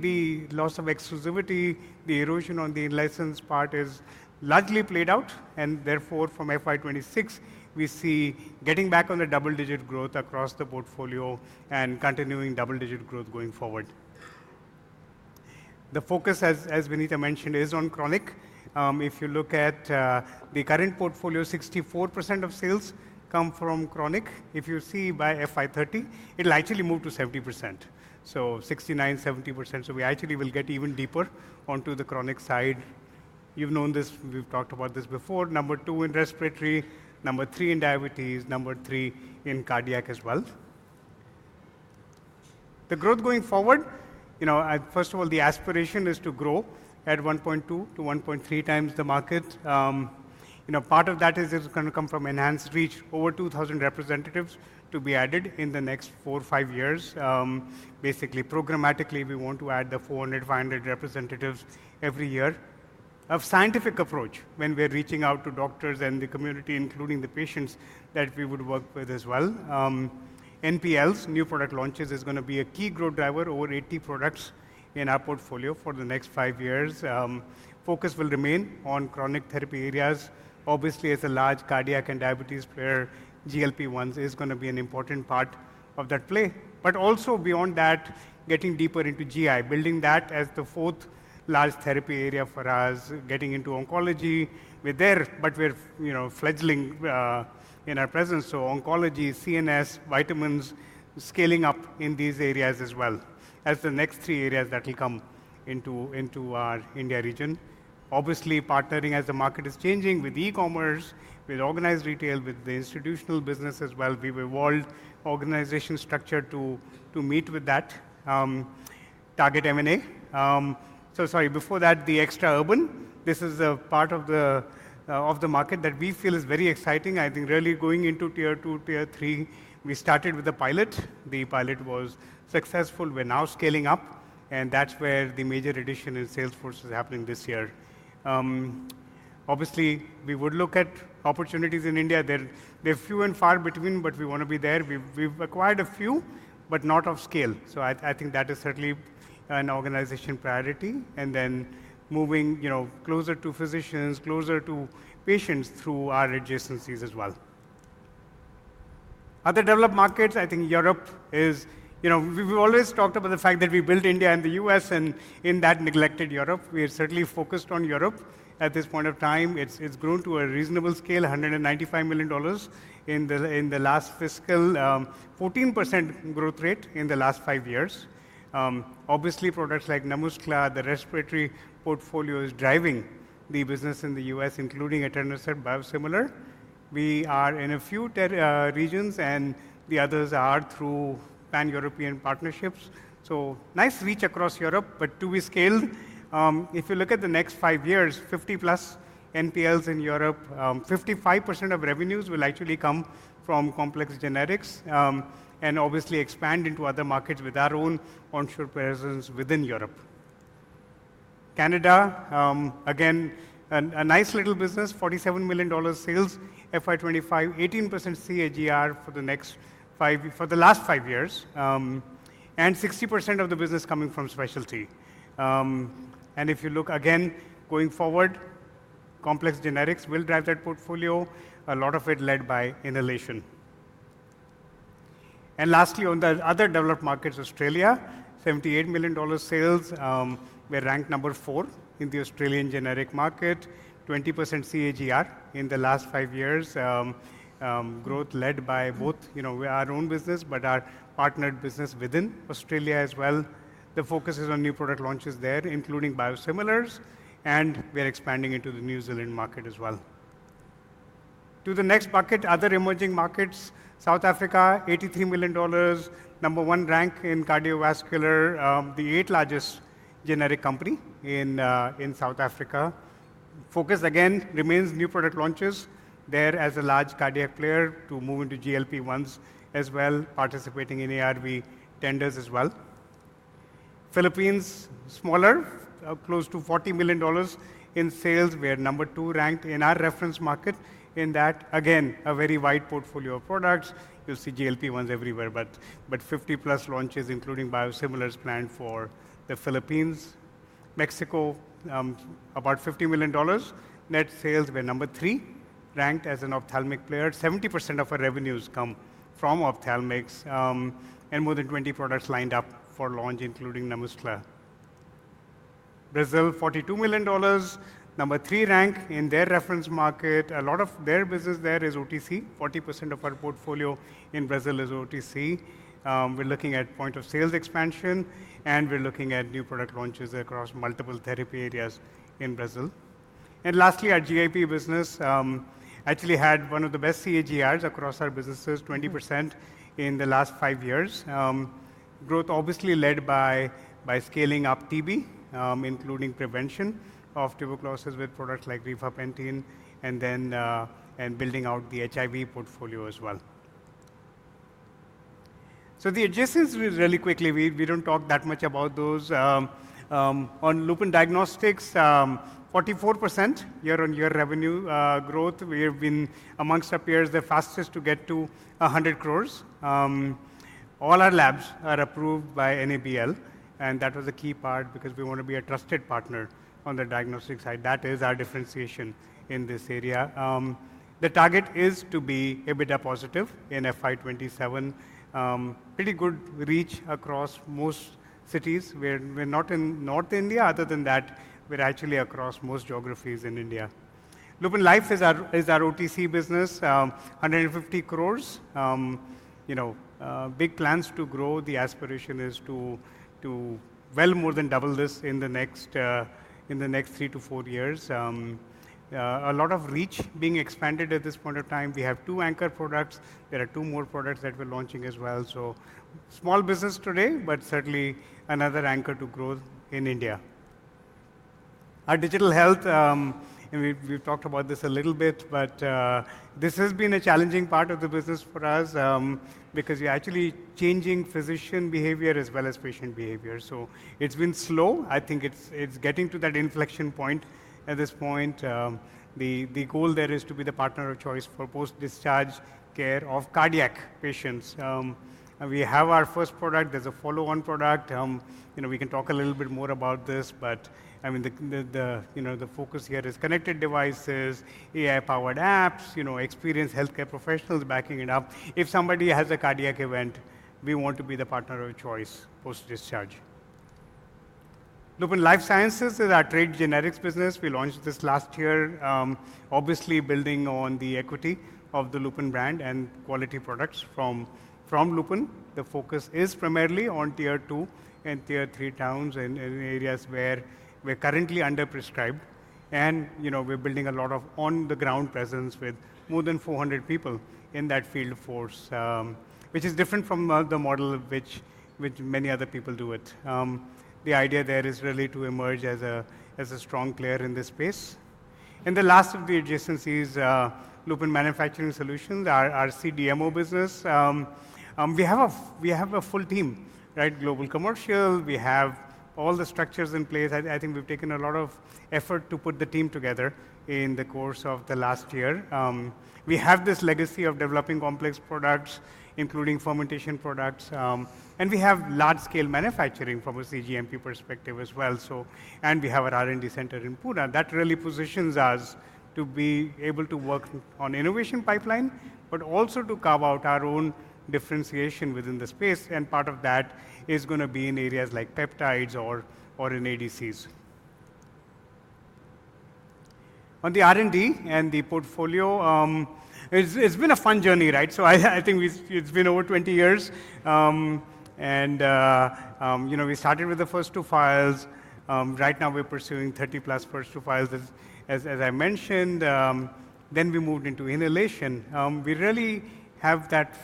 The loss of exclusivity, the erosion on the in-license part is largely played out. Therefore, from FY2026, we see getting back on the double-digit growth across the portfolio and continuing double-digit growth going forward. The focus, as Vinita mentioned, is on chronic. If you look at the current portfolio, 64% of sales come from chronic. If you see by FY2030, it'll actually move to 70%. So 69-70%. We actually will get even deeper onto the chronic side. You've known this. We've talked about this before. Number two in respiratory, number three in diabetes, number three in cardiac as well. The growth going forward, first of all, the aspiration is to grow at 1.2-1.3 times the market. Part of that is it's going to come from enhanced reach, over 2,000 representatives to be added in the next four-five years. Basically, programmatically, we want to add the 400-500 representatives every year. Of scientific approach, when we're reaching out to doctors and the community, including the patients that we would work with as well. NPLs, new product launches, is going to be a key growth driver, over 80 products in our portfolio for the next five years. Focus will remain on chronic therapy areas. Obviously, as a large cardiac and diabetes player, GLP-1 is going to be an important part of that play. Also beyond that, getting deeper into GI, building that as the fourth large therapy area for us, getting into oncology. We are there, but we are fledgling in our presence. Oncology, CNS, vitamins, scaling up in these areas as well as the next three areas that will come into our India region. Obviously, partnering as the market is changing with e-commerce, with organized retail, with the institutional business as well. We will evolve organization structure to meet with that target M&A. Sorry, before that, the extra urban. This is a part of the market that we feel is very exciting. I think really going into tier two, tier three, we started with a pilot. The pilot was successful. We're now scaling up, and that's where the major addition in sales force is happening this year. Obviously, we would look at opportunities in India. They're few and far between, but we want to be there. We've acquired a few, but not of scale. I think that is certainly an organization priority. Moving closer to physicians, closer to patients through our adjacencies as well. Other developed markets, I think Europe is, we've always talked about the fact that we built India and the US, and in that neglected Europe, we are certainly focused on Europe. At this point of time, it's grown to a reasonable scale, $195 million in the last fiscal, 14% growth rate in the last five years. Obviously, products like Namuscla, the respiratory portfolio is driving the business in the U.S., including Etanercept biosimilar. We are in a few regions, and the others are through pan-European partnerships. Nice reach across Europe, but to be scaled. If you look at the next five years, 50-plus NPLs in Europe, 55% of revenues will actually come from complex generics and obviously expand into other markets with our own onshore presence within Europe. Canada, again, a nice little business, $47 million sales, FY2025, 18% CAGR for the last five years, and 60% of the business coming from specialty. If you look again, going forward, complex generics will drive that portfolio, a lot of it led by inhalation. Lastly, on the other developed markets, Australia, $78 million sales. We're ranked number four in the Australian generic market, 20% CAGR in the last five years, growth led by both our own business, but our partnered business within Australia as well. The focus is on new product launches there, including biosimilars, and we're expanding into the New Zealand market as well. To the next bucket, other emerging markets, South Africa, $83 million, number one rank in cardiovascular, the eighth largest generic company in South Africa. Focus again remains new product launches there as a large cardiac player to move into GLP-1s as well, participating in ARV tenders as well. Philippines, smaller, close to $40 million in sales. We are number two ranked in our reference market in that, again, a very wide portfolio of products. You'll see GLP-1s everywhere, but 50-plus launches, including biosimilars planned for the Philippines. Mexico, about $50 million. Net sales, we're number three ranked as an ophthalmic player. 70% of our revenues come from ophthalmics, and more than 20 products lined up for launch, including Namuskla. Brazil, $42 million, number three rank in their reference market. A lot of their business there is OTC. 40% of our portfolio in Brazil is OTC. We're looking at point of sales expansion, and we're looking at new product launches across multiple therapy areas in Brazil. Lastly, our GIB business actually had one of the best CAGRs across our businesses, 20% in the last five years. Growth obviously led by scaling up TB, including prevention of tuberculosis with products like rifapentine and building out the HIV portfolio as well. The adjacencies really quickly, we don't talk that much about those. On Lupin Diagnostics, 44% year-on-year revenue growth. We have been amongst our peers, the fastest to get to 100 crore. All our labs are approved by NABL, and that was a key part because we want to be a trusted partner on the diagnostic side. That is our differentiation in this area. The target is to be EBITDA positive in FY2027. Pretty good reach across most cities. We're not in North India. Other than that, we're actually across most geographies in India. Lupin Life is our OTC business, 150 crore. Big plans to grow. The aspiration is to well more than double this in the next three to four years. A lot of reach being expanded at this point of time. We have two anchor products. There are two more products that we're launching as well. Small business today, but certainly another anchor to growth in India. Our digital health, we've talked about this a little bit, but this has been a challenging part of the business for us because we're actually changing physician behavior as well as patient behavior. So it's been slow. I think it's getting to that inflection point at this point. The goal there is to be the partner of choice for post-discharge care of cardiac patients. We have our first product. There's a follow-on product. We can talk a little bit more about this, but I mean, the focus here is connected devices, AI-powered apps, experienced healthcare professionals backing it up. If somebody has a cardiac event, we want to be the partner of choice post-discharge. Lupin Life Sciences is our trade generics business. We launched this last year, obviously building on the equity of the Lupin brand and quality products from Lupin. The focus is primarily on tier two and tier three towns in areas where we're currently under-prescribed. We're building a lot of on-the-ground presence with more than 400 people in that field force, which is different from the model which many other people do it. The idea there is really to emerge as a strong player in this space. The last of the adjacencies, Lupin Manufacturing Solutions, our CDMO business. We have a full team, right? Global commercial. We have all the structures in place. I think we've taken a lot of effort to put the team together in the course of the last year. We have this legacy of developing complex products, including fermentation products. We have large-scale manufacturing from a CGMP perspective as well. We have our R&D center in Pune. That really positions us to be able to work on innovation pipeline, but also to carve out our own differentiation within the space. Part of that is going to be in areas like peptides or in ADCs. On the R&D and the portfolio, it's been a fun journey, right? I think it's been over 20 years. We started with the first two files. Right now, we're pursuing 30-plus first two files, as I mentioned. We moved into inhalation. We really have that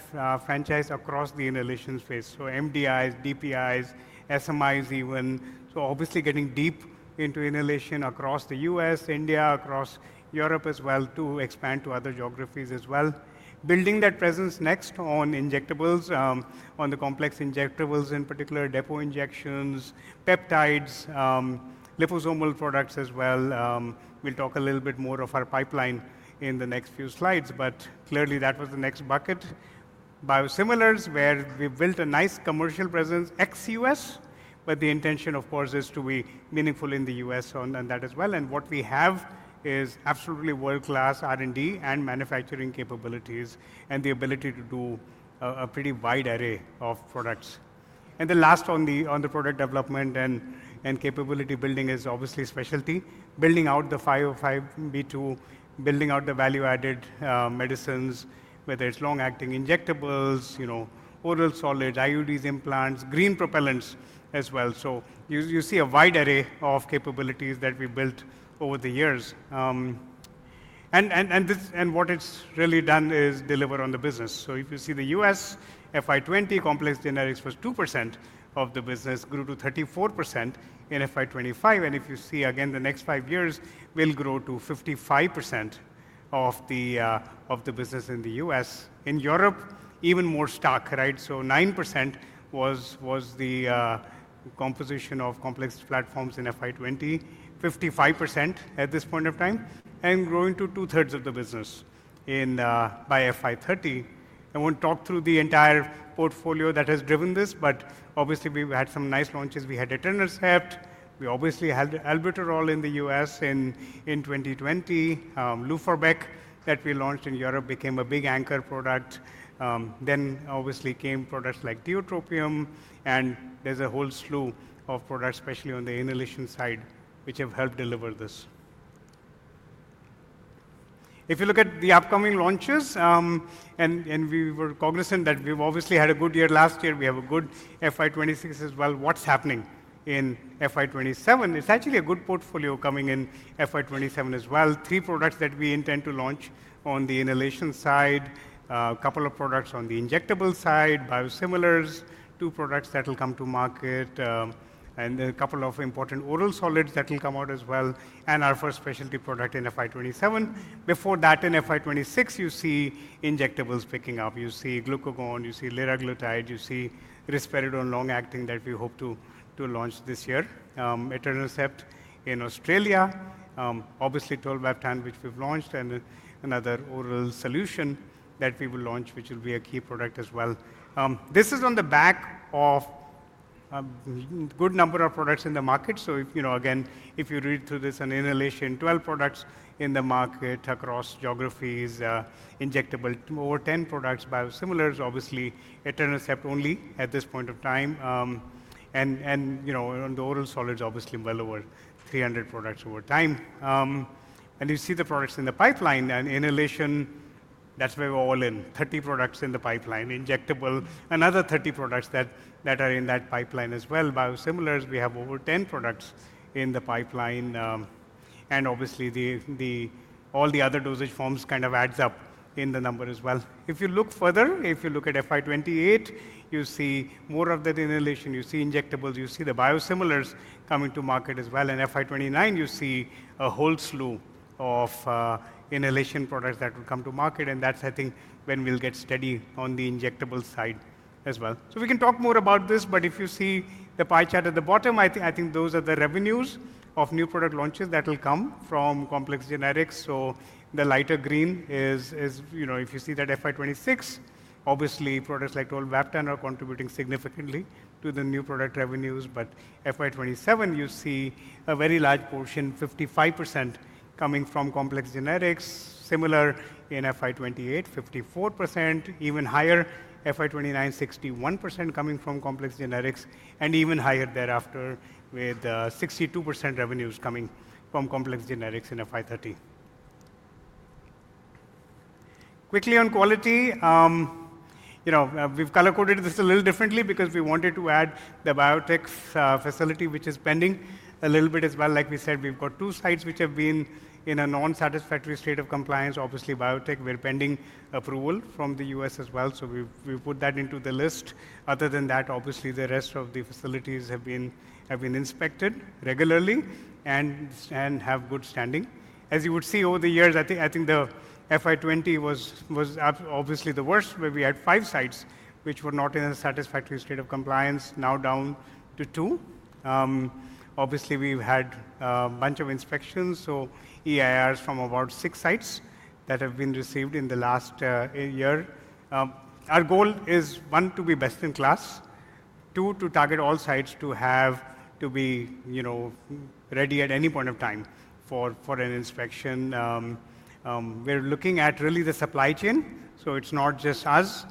franchise across the inhalation space. MDIs, DPIs, SMIs even. Obviously getting deep into inhalation across the U.S., India, across Europe as well to expand to other geographies as well. Building that presence next on injectables, on the complex injectables, in particular depo injections, peptides, liposomal products as well. We'll talk a little bit more of our pipeline in the next few slides, but clearly that was the next bucket. Biosimilars, where we've built a nice commercial presence ex US, but the intention, of course, is to be meaningful in the US on that as well. What we have is absolutely world-class R&D and manufacturing capabilities and the ability to do a pretty wide array of products. The last on the product development and capability building is obviously specialty. Building out the 505(b)(2), building out the value-added medicines, whether it's long-acting injectables, oral solids, IUDs, implants, green propellants as well. You see a wide array of capabilities that we built over the years. What it's really done is deliver on the business. If you see the US, FY2020, complex generics was 2% of the business, grew to 34% in FY2025. If you see again the next five years, we'll grow to 55% of the business in the US. In Europe, even more stark, right? 9% was the composition of complex platforms in FY2020, 55% at this point of time, and growing to two-thirds of the business by FY2030. I won't talk through the entire portfolio that has driven this, but obviously we've had some nice launches. We had Etanercept. We obviously had Albuterol in the US in 2020. Foster (Nuforbec) that we launched in Europe became a big anchor product. Obviously came products like Tiotropium, and there's a whole slew of products, especially on the inhalation side, which have helped deliver this. If you look at the upcoming launches, and we were cognizant that we've obviously had a good year last year, we have a good FY2026 as well. What's happening in FY2027? It's actually a good portfolio coming in FY27 as well. Three products that we intend to launch on the inhalation side, a couple of products on the injectable side, biosimilars, two products that will come to market, and a couple of important oral solids that will come out as well, and our first specialty product in FY27. Before that, in FY26, you see injectables picking up. You see glucagon, you see liraglutide, you see risperidone long-acting that we hope to launch this year, Etanercept in Australia, obviously Tolvaptan, which we've launched, and another oral solution that we will launch, which will be a key product as well. This is on the back of a good number of products in the market. If you read through this, in inhalation, 12 products in the market across geographies, injectable, over 10 products, biosimilars, obviously Etanercept only at this point of time, and on the oral solids, obviously well over 300 products over time. You see the products in the pipeline. Inhalation, that's where we're all in, 30 products in the pipeline, injectable, another 30 products that are in that pipeline as well. Biosimilars, we have over 10 products in the pipeline. Obviously, all the other dosage forms kind of adds up in the number as well. If you look further, if you look at FY2028, you see more of that inhalation, you see injectables, you see the biosimilars coming to market as well. In FY2029, you see a whole slew of inhalation products that will come to market. That's, I think, when we'll get steady on the injectable side as well. We can talk more about this, but if you see the pie chart at the bottom, I think those are the revenues of new product launches that will come from complex generics. The lighter green is, if you see that FY2026, obviously, products like Tolvaptan are contributing significantly to the new product revenues. FY2027, you see a very large portion, 55% coming from complex generics, similar in FY2028, 54%, even higher, FY2029, 61% coming from complex generics, and even higher thereafter with 62% revenues coming from complex generics in FY2030. Quickly on quality, we've color-coded this a little differently because we wanted to add the biotech facility, which is pending a little bit as well. Like we said, we've got two sites which have been in a non-satisfactory state of compliance, obviously biotech. We're pending approval from the U.S. as well. We put that into the list. Other than that, obviously, the rest of the facilities have been inspected regularly and have good standing. As you would see over the years, I think the FY2020 was obviously the worst, where we had five sites which were not in a satisfactory state of compliance, now down to two. Obviously, we've had a bunch of inspections, so EIRs from about six sites that have been received in the last year. Our goal is, one, to be best in class, two, to target all sites to be ready at any point of time for an inspection. We're looking at really the supply chain. It is not just us,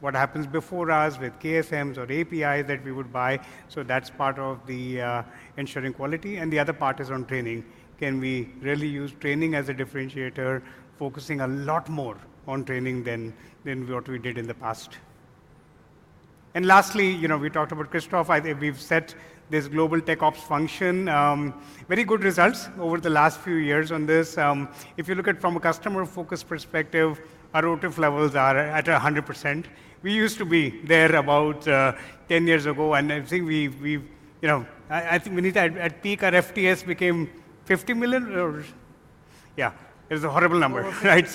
what happens before us with KSMs or APIs that we would buy. That is part of the ensuring quality. The other part is on training. Can we really use training as a differentiator, focusing a lot more on training than what we did in the past? Lastly, we talked about Christophe. We have set this global tech ops function. Very good results over the last few years on this. If you look at it from a customer-focused perspective, our OTIF levels are at 100%. We used to be there about 10 years ago, and I think we have—I think we need to—at peak, our FTS became 50 million. Yeah, it was a horrible number, right?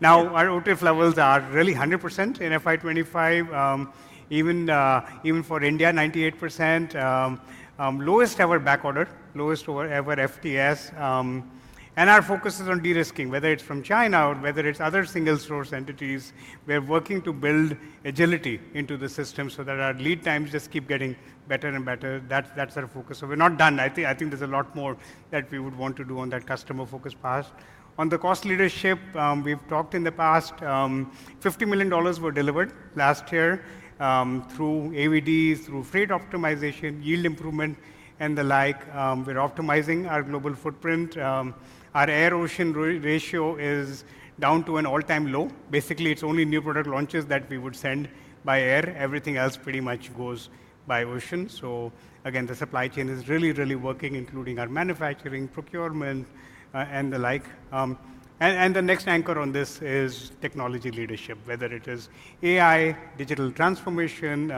Now our OTIF levels are really 100% in FY25, even for India, 98%. Lowest ever backorder, lowest ever FTS. Our focus is on de-risking, whether it is from China or whether it is other single-source entities. We are working to build agility into the system so that our lead times just keep getting better and better. That is our focus. We are not done. I think there's a lot more that we would want to do on that customer-focused part. On the cost leadership, we've talked in the past. $50 million were delivered last year through AVDs, through freight optimization, yield improvement, and the like. We're optimizing our global footprint. Our air-ocean ratio is down to an all-time low. Basically, it's only new product launches that we would send by air. Everything else pretty much goes by ocean. The supply chain is really, really working, including our manufacturing, procurement, and the like. The next anchor on this is technology leadership, whether it is AI, digital transformation.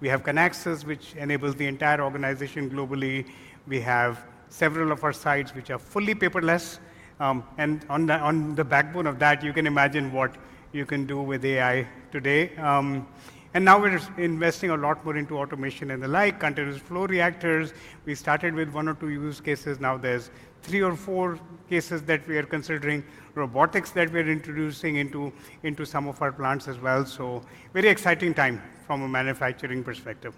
We have Kinaxis, which enables the entire organization globally. We have several of our sites which are fully paperless. On the backbone of that, you can imagine what you can do with AI today. Now we're investing a lot more into automation and the like, continuous flow reactors. We started with one or two use cases. Now there are three or four cases that we are considering, robotics that we're introducing into some of our plants as well. Very exciting time from a manufacturing perspective.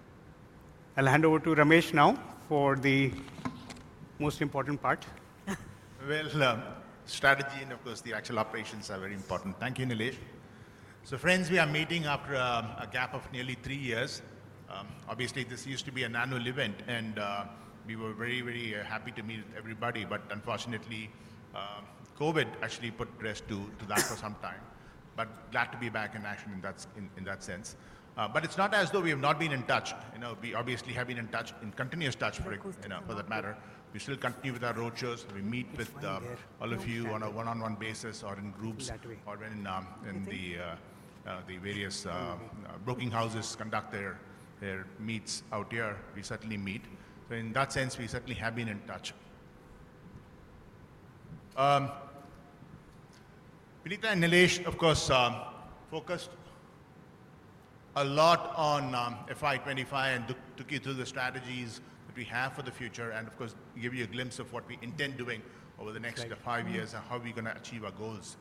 I'll hand over to Ramesh now for the most important part. Strategy and, of course, the actual operations are very important. Thank you, Nilesh. Friends, we are meeting after a gap of nearly three years. Obviously, this used to be an annual event, and we were very, very happy to meet with everybody. Unfortunately, COVID actually put a rest to that for some time. Glad to be back in action in that sense. It's not as though we have not been in touch. We obviously have been in touch, in continuous touch for that matter. We still continue with our roadshows. We meet with all of you on a one-on-one basis or in groups or when the various broking houses conduct their meets out here. We certainly meet. In that sense, we certainly have been in touch. Prita and Nilesh, of course, focused a lot on FY2025 and took you through the strategies that we have for the future and, of course, give you a glimpse of what we intend doing over the next five years and how we're going to achieve our goals.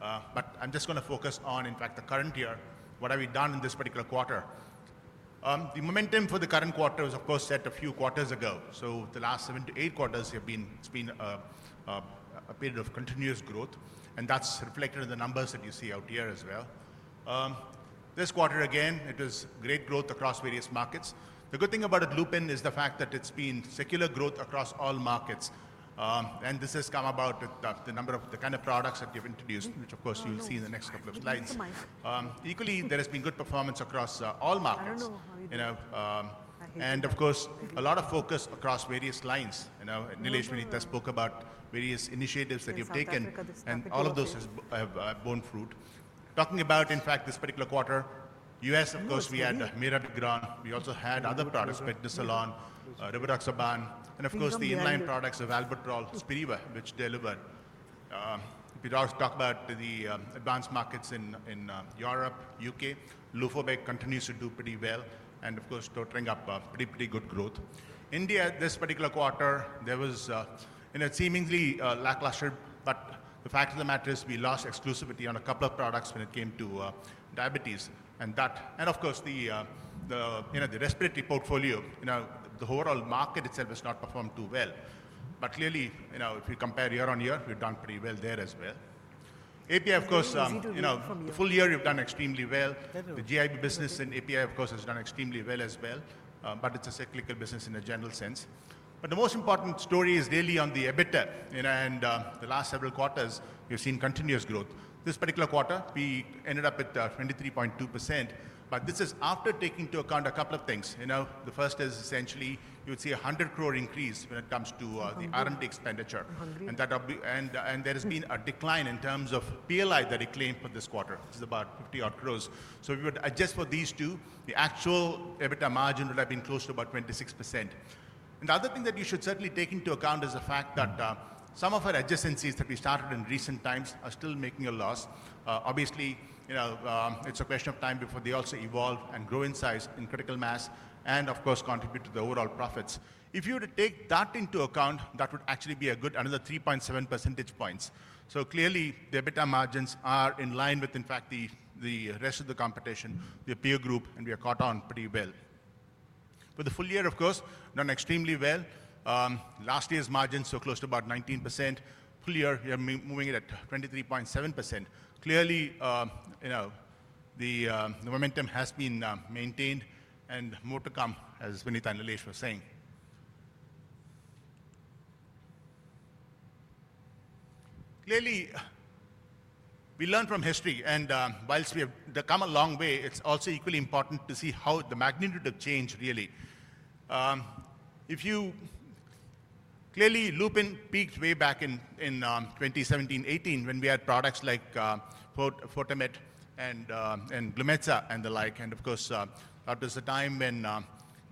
I'm just going to focus on, in fact, the current year. What have we done in this particular quarter? The momentum for the current quarter was, of course, set a few quarters ago. The last seven to eight quarters, it's been a period of continuous growth. That is reflected in the numbers that you see out here as well. This quarter, again, it was great growth across various markets. The good thing about Lupin is the fact that it has been secular growth across all markets. This has come about with the number of the kind of products that you have introduced, which, of course, you will see in the next couple of slides. Equally, there has been good performance across all markets. Of course, a lot of focus across various lines. Nilesh, Prita spoke about various initiatives that you have taken, and all of those have borne fruit. Talking about, in fact, this particular quarter, U.S., of course, we had Mirabegron. We also had other products, Prednisolone, Rivaroxaban, and, of course, the inline products of Albuterol, Spiriva, which deliver. We talked about the advanced markets in Europe, U.K. Lufabac continues to do pretty well and, of course, tottering up pretty good growth. India, this particular quarter, there was seemingly lackluster, but the fact of the matter is we lost exclusivity on a couple of products when it came to diabetes. Of course, the respiratory portfolio, the overall market itself has not performed too well. Clearly, if you compare year on year, we've done pretty well there as well. API, of course, the full year we've done extremely well. The GIB business in API, of course, has done extremely well as well. It's a cyclical business in a general sense. The most important story is daily on the EBITDA. The last several quarters, we've seen continuous growth. This particular quarter, we ended up at 23.2%. This is after taking into account a couple of things. The first is essentially you would see a 100 crore increase when it comes to the R&D expenditure. There has been a decline in terms of PLI that it claimed for this quarter. This is about 50-odd crore. If we would adjust for these two, the actual EBITDA margin would have been close to about 26%. The other thing that you should certainly take into account is the fact that some of our adjacencies that we started in recent times are still making a loss. Obviously, it is a question of time before they also evolve and grow in size in critical mass and, of course, contribute to the overall profits. If you were to take that into account, that would actually be a good another 3.7 percentage points. Clearly, the EBITDA margins are in line with, in fact, the rest of the competition, the peer group, and we are caught on pretty well. For the full year, of course, done extremely well. Last year's margin so close to about 19%. Full year, we are moving it at 23.7%. Clearly, the momentum has been maintained and more to come, as Prita and Nilesh were saying. Clearly, we learn from history. And whilst we have come a long way, it's also equally important to see how the magnitude of change really. Clearly, Lupin peaked way back in 2017, 2018 when we had products like Fortamet and Glumetza and the like. And, of course, that was a time when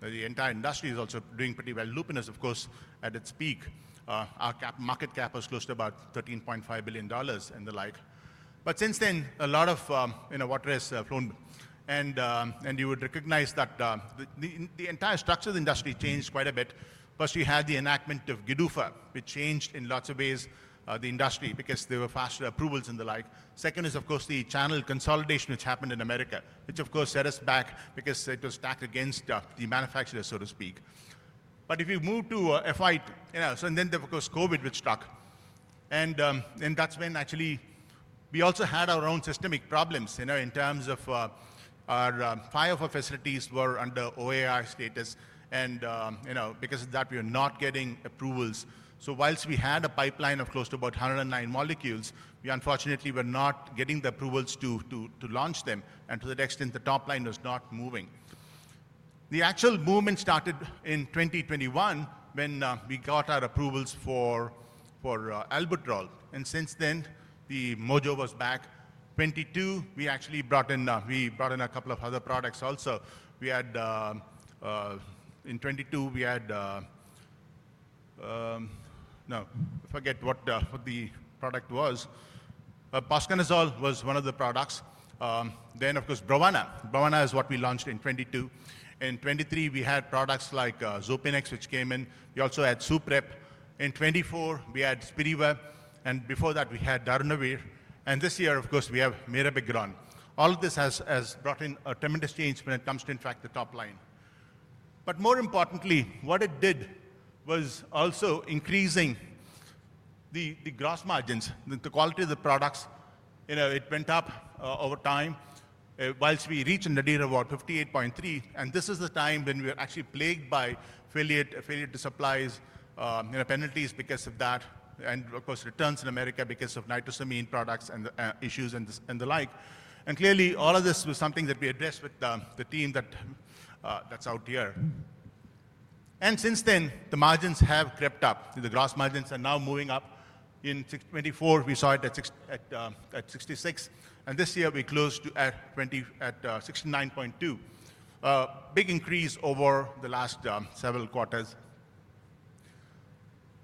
the entire industry was also doing pretty well. Lupin was, of course, at its peak. Our market cap was close to about $13.5 billion and the like. Since then, a lot of water has flown. You would recognize that the entire structure of the industry changed quite a bit. First, you had the enactment of GDUFA, which changed in lots of ways the industry because there were faster approvals and the like. Second is, of course, the channel consolidation, which happened in the United States, which, of course, set us back because it was stacked against the manufacturers, so to speak. If you move to FY, and then there, of course, COVID, which struck. That is when actually we also had our own systemic problems in terms of our FDA facilities were under OAI status. Because of that, we were not getting approvals. Whilst we had a pipeline of close to about 109 molecules, we unfortunately were not getting the approvals to launch them. To that extent, the top line was not moving. The actual movement started in 2021 when we got our approvals for Albuterol. Since then, the mojo was back. In 2022, we actually brought in a couple of other products also. In 2022, we had, no, forget what the product was. Posaconazole was one of the products. Of course, Brovana. Brovana is what we launched in 2022. In 2023, we had products like Zopenex, which came in. We also had Suprax. In 2024, we had Spiriva. Before that, we had Darunavir. This year, of course, we have Mirabegron. All of this has brought in a tremendous change when it comes to, in fact, the top line. More importantly, what it did was also increasing the gross margins, the quality of the products. It went up over time. Whilst we reached a nadir of about 58.3, and this is the time when we were actually plagued by failure to supply penalties because of that and, of course, returns in America because of nitrosamine products and issues and the like. Clearly, all of this was something that we addressed with the team that's out here. Since then, the margins have crept up. The gross margins are now moving up. In 2024, we saw it at 66. This year, we closed at 69.2. Big increase over the last several quarters.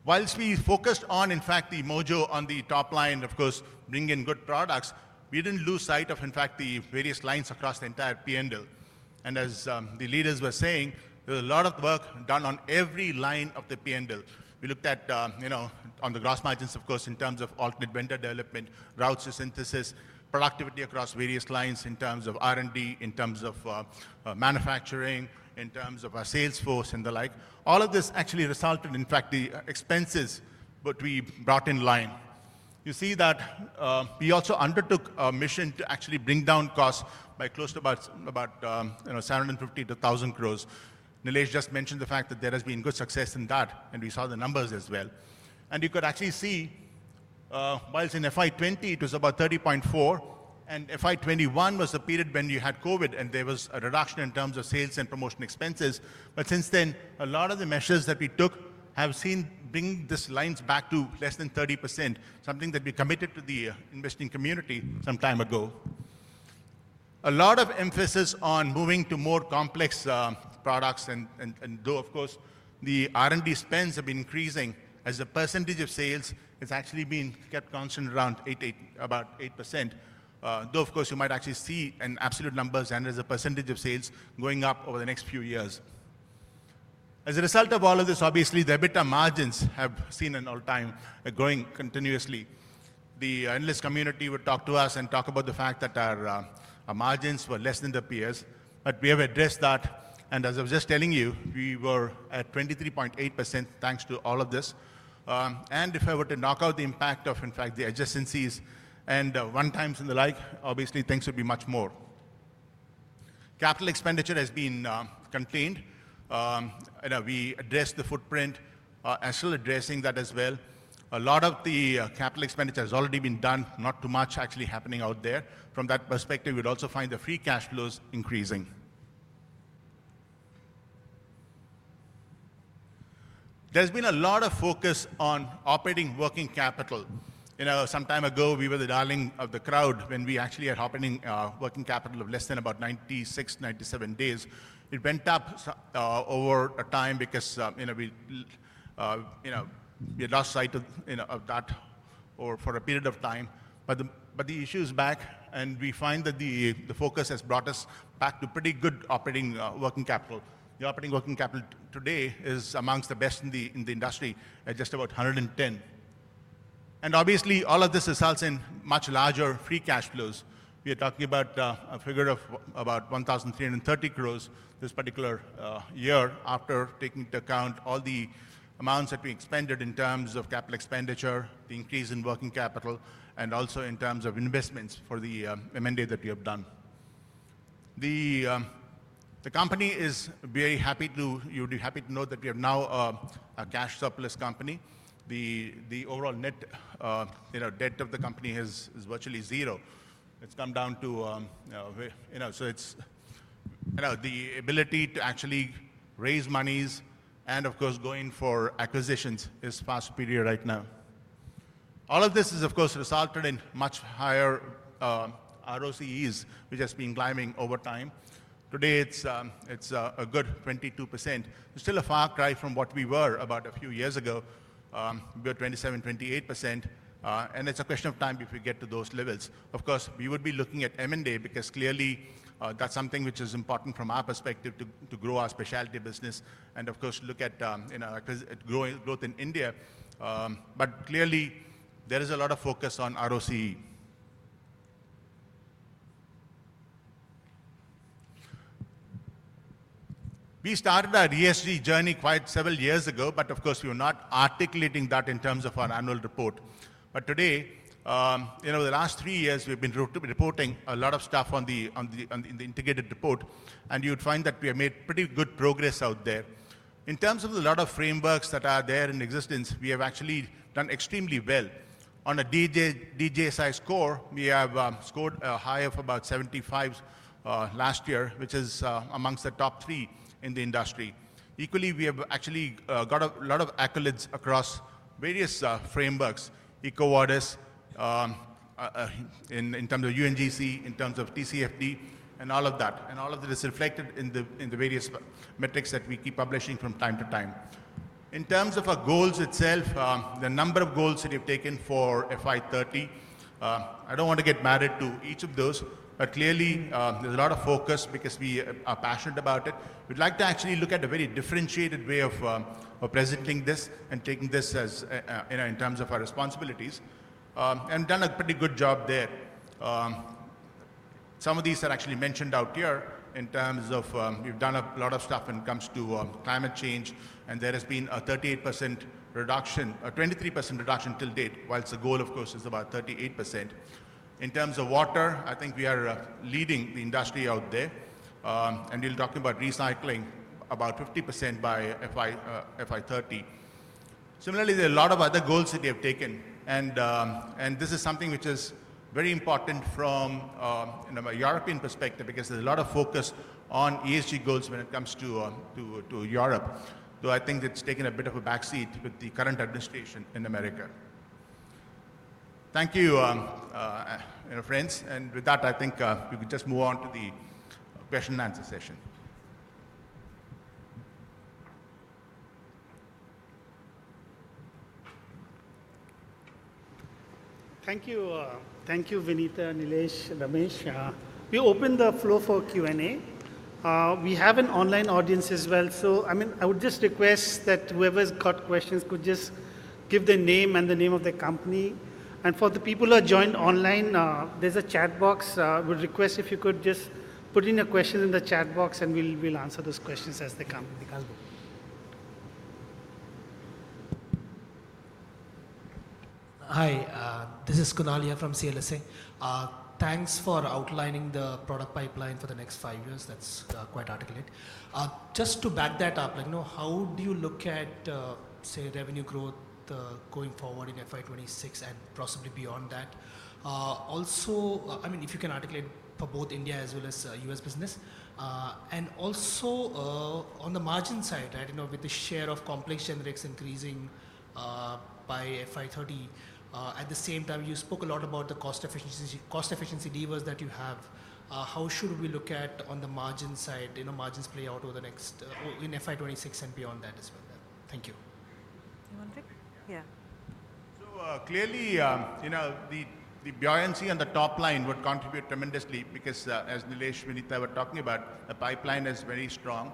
Whilst we focused on, in fact, the mojo on the top line, of course, bringing in good products, we didn't lose sight of, in fact, the various lines across the entire P&L. As the leaders were saying, there was a lot of work done on every line of the P&L. We looked at, on the gross margins, of course, in terms of alternate vendor development, route synthesis, productivity across various lines in terms of R&D, in terms of manufacturing, in terms of our sales force and the like. All of this actually resulted in, in fact, the expenses that we brought in line. You see that we also undertook a mission to actually bring down costs by close to about 7.5 billion-10 billion. Nilesh just mentioned the fact that there has been good success in that, and we saw the numbers as well. You could actually see whilst in FY2020, it was about 30.4. FY2021 was the period when you had COVID, and there was a reduction in terms of sales and promotion expenses. Since then, a lot of the measures that we took have seen bring these lines back to less than 30%, something that we committed to the investing community some time ago. A lot of emphasis on moving to more complex products. Though, of course, the R&D spends have been increasing, the percentage of sales has actually been kept constant around about 8%. Though, of course, you might actually see in absolute numbers and as a percentage of sales going up over the next few years. As a result of all of this, obviously, the EBITDA margins have seen an all-time growing continuously. The NLS community would talk to us and talk about the fact that our margins were less than their peers. We have addressed that. As I was just telling you, we were at 23.8% thanks to all of this. If I were to knock out the impact of, in fact, the adjacencies and runtimes and the like, obviously, things would be much more. Capital expenditure has been contained. We addressed the footprint, are still addressing that as well. A lot of the capital expenditure has already been done, not too much actually happening out there. From that perspective, you'd also find the free cash flows increasing. There's been a lot of focus on operating working capital. Some time ago, we were the darling of the crowd when we actually had operating working capital of less than about 96-97 days. It went up over time because we lost sight of that for a period of time. The issue is back, and we find that the focus has brought us back to pretty good operating working capital. The operating working capital today is amongst the best in the industry at just about 110. Obviously, all of this results in much larger free cash flows. We are talking about a figure of about 1,330 crore this particular year after taking into account all the amounts that we expended in terms of capital expenditure, the increase in working capital, and also in terms of investments for the M&A that we have done. The company is very happy to know that we have now a cash surplus company. The overall net debt of the company is virtually zero. It's come down to the ability to actually raise monies and, of course, going for acquisitions is fast-paced right now. All of this has, of course, resulted in much higher ROCEs, which has been climbing over time. Today, it's a good 22%. It's still a far cry from what we were about a few years ago. We were 27-28%. It's a question of time before we get to those levels. Of course, we would be looking at M&A because clearly that's something which is important from our perspective to grow our specialty business and, of course, look at growth in India. Clearly, there is a lot of focus on ROCE. We started our ESG journey quite several years ago, but we were not articulating that in terms of our annual report. Today, over the last three years, we've been reporting a lot of stuff in the integrated report. You would find that we have made pretty good progress out there. In terms of the lot of frameworks that are there in existence, we have actually done extremely well. On a DJI-sized score, we have scored a high of about 75 last year, which is amongst the top three in the industry. Equally, we have actually got a lot of accolades across various frameworks, eco orders in terms of UNGC, in terms of TCFD, and all of that. All of that is reflected in the various metrics that we keep publishing from time to time. In terms of our goals itself, the number of goals that we have taken for FY 2030, I do not want to get married to each of those, but clearly, there is a lot of focus because we are passionate about it. We would like to actually look at a very differentiated way of presenting this and taking this in terms of our responsibilities. We have done a pretty good job there. Some of these are actually mentioned out here in terms of we've done a lot of stuff when it comes to climate change. And there has been a 23% reduction till date, while the goal, of course, is about 38%. In terms of water, I think we are leading the industry out there. And we'll talk about recycling about 50% by FY2030. Similarly, there are a lot of other goals that we have taken. And this is something which is very important from a European perspective because there's a lot of focus on ESG goals when it comes to Europe. I think it's taken a bit of a backseat with the current administration in America. Thank you, friends. With that, I think we could just move on to the question and answer session. Thank you, Vinita, Nilesh, Ramesh. We opened the floor for Q&A.We have an online audience as well. I would just request that whoever's got questions could just give their name and the name of their company. For the people who are joined online, there's a chat box. We'd request if you could just put in your question in the chat box, and we'll answer those questions as they come. Hi, this is Kunal here from CLSA. Thanks for outlining the product pipeline for the next five years. That's quite articulate. Just to back that up, how do you look at, say, revenue growth going forward in FY2026 and possibly beyond that? Also, if you can articulate for both India as well as US business. Also on the margin side, with the share of complex generics increasing by FY2030, at the same time, you spoke a lot about the cost efficiency levers that you have. How should we look at on the margin side? Margins play out over the next in FY2026 and beyond that as well. Thank you. One thing? Yeah. Clearly, the buoyancy on the top line would contribute tremendously because, as Nilesh, Vinita were talking about, the pipeline is very strong.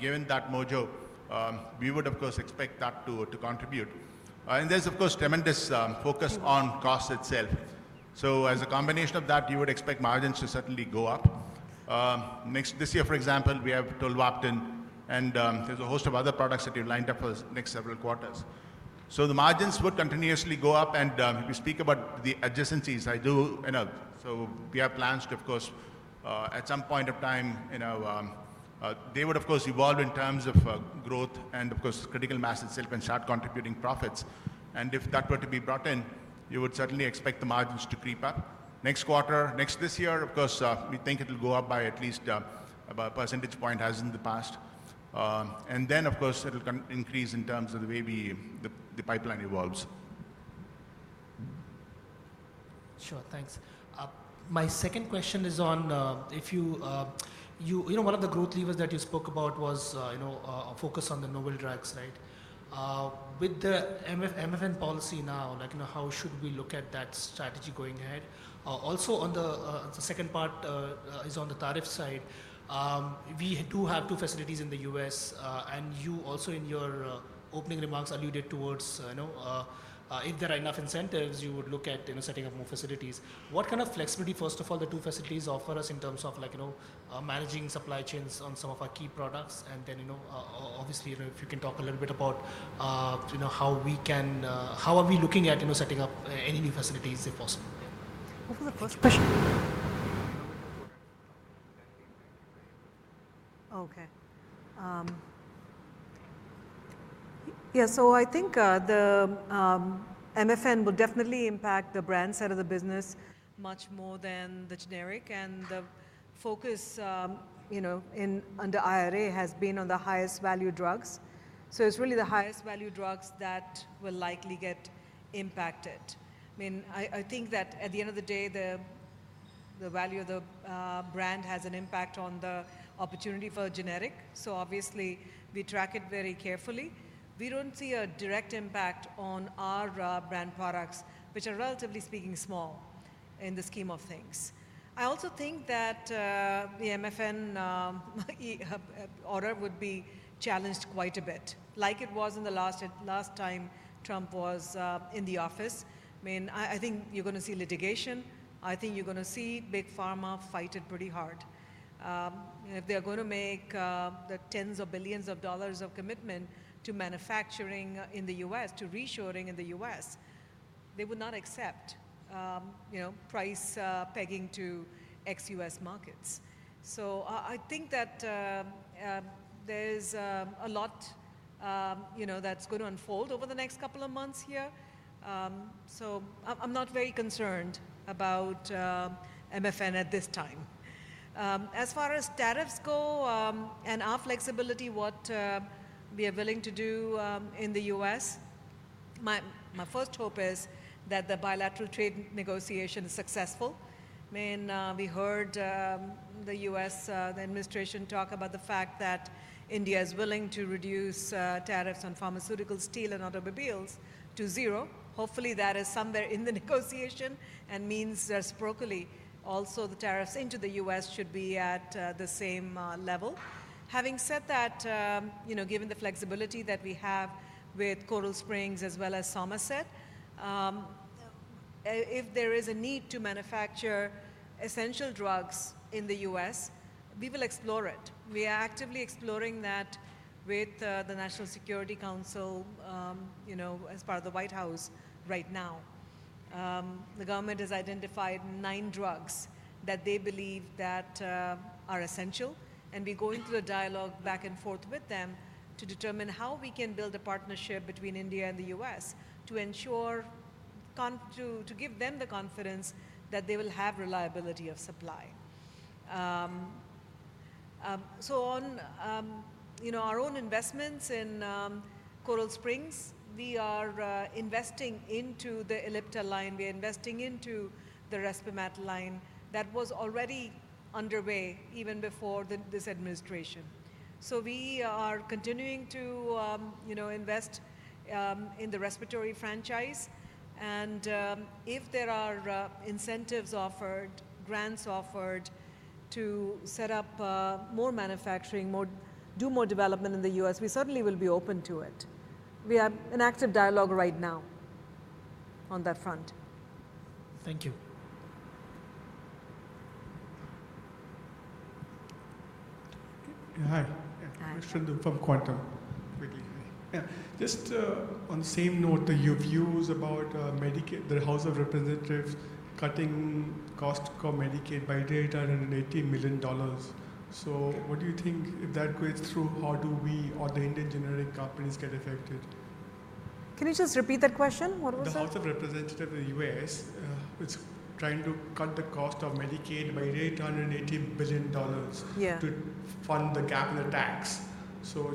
Given that mojo, we would, of course, expect that to contribute. There is, of course, tremendous focus on cost itself. As a combination of that, you would expect margins to certainly go up. This year, for example, we have Tolvaptan, and there is a host of other products that we have lined up for the next several quarters. The margins would continuously go up. If you speak about the adjacencies, we have plans to, of course, at some point of time, they would, of course, evolve in terms of growth and, of course, critical mass itself and start contributing profits. If that were to be brought in, you would certainly expect the margins to creep up. Next quarter, next this year, of course, we think it'll go up by at least about a percentage point as in the past. Of course, it'll increase in terms of the way the pipeline evolves. Sure, thanks. My second question is on if you, one of the growth levers that you spoke about was a focus on the novel drugs, right? With the MFN policy now, how should we look at that strategy going ahead? Also, the second part is on the tariff side. We do have two facilities in the U.S., and you also in your opening remarks alluded towards if there are enough incentives, you would look at setting up more facilities. What kind of flexibility, first of all, do the two facilities offer us in terms of managing supply chains on some of our key products? Obviously, if you can talk a little bit about how we are looking at setting up any new facilities if possible? What was the first question? Okay. Yeah, so I think the MFN would definitely impact the brand side of the business much more than the generic. The focus under IRA has been on the highest value drugs. It is really the highest value drugs that will likely get impacted. I mean, I think that at the end of the day, the value of the brand has an impact on the opportunity for generic. Obviously, we track it very carefully. We do not see a direct impact on our brand products, which are relatively speaking small in the scheme of things. I also think that the MFN order would be challenged quite a bit, like it was the last time Trump was in the office. I mean, I think you are going to see litigation. I think you are going to see big pharma fight it pretty hard. If they're going to make the tens of billions of dollars of commitment to manufacturing in the U.S., to reshoring in the U.S., they would not accept price pegging to ex-U.S. markets. I think that there's a lot that's going to unfold over the next couple of months here. I'm not very concerned about MFN at this time. As far as tariffs go and our flexibility, what we are willing to do in the U.S., my first hope is that the bilateral trade negotiation is successful. I mean, we heard the U.S. administration talk about the fact that India is willing to reduce tariffs on pharmaceuticals, steel, and automobiles to zero. Hopefully, that is somewhere in the negotiation and means that, reciprocally, also the tariffs into the U.S. should be at the same level. Having said that, given the flexibility that we have with Coral Springs as well as Somerset, if there is a need to manufacture essential drugs in the U.S., we will explore it. We are actively exploring that with the National Security Council as part of the White House right now. The government has identified nine drugs that they believe that are essential. We are going through a dialogue back and forth with them to determine how we can build a partnership between India and the U.S. to ensure to give them the confidence that they will have reliability of supply. On our own investments in Coral Springs, we are investing into the Ellipta line. We are investing into the Respimat line that was already underway even before this administration. We are continuing to invest in the respiratory franchise. If there are incentives offered, grants offered to set up more manufacturing, do more development in the U.S., we certainly will be open to it. We have an active dialogue right now on that front. Thank you. Hi. Question from Quantum. Just on the same note, your views about the House of Representatives cutting costs for Medicaid by $880 million. What do you think if that goes through, how do we or the Indian generic companies get affected? Can you just repeat that question? What was that? The House of Representatives of the U.S. is trying to cut the cost of Medicaid by $880 billion to fund the gap in the tax.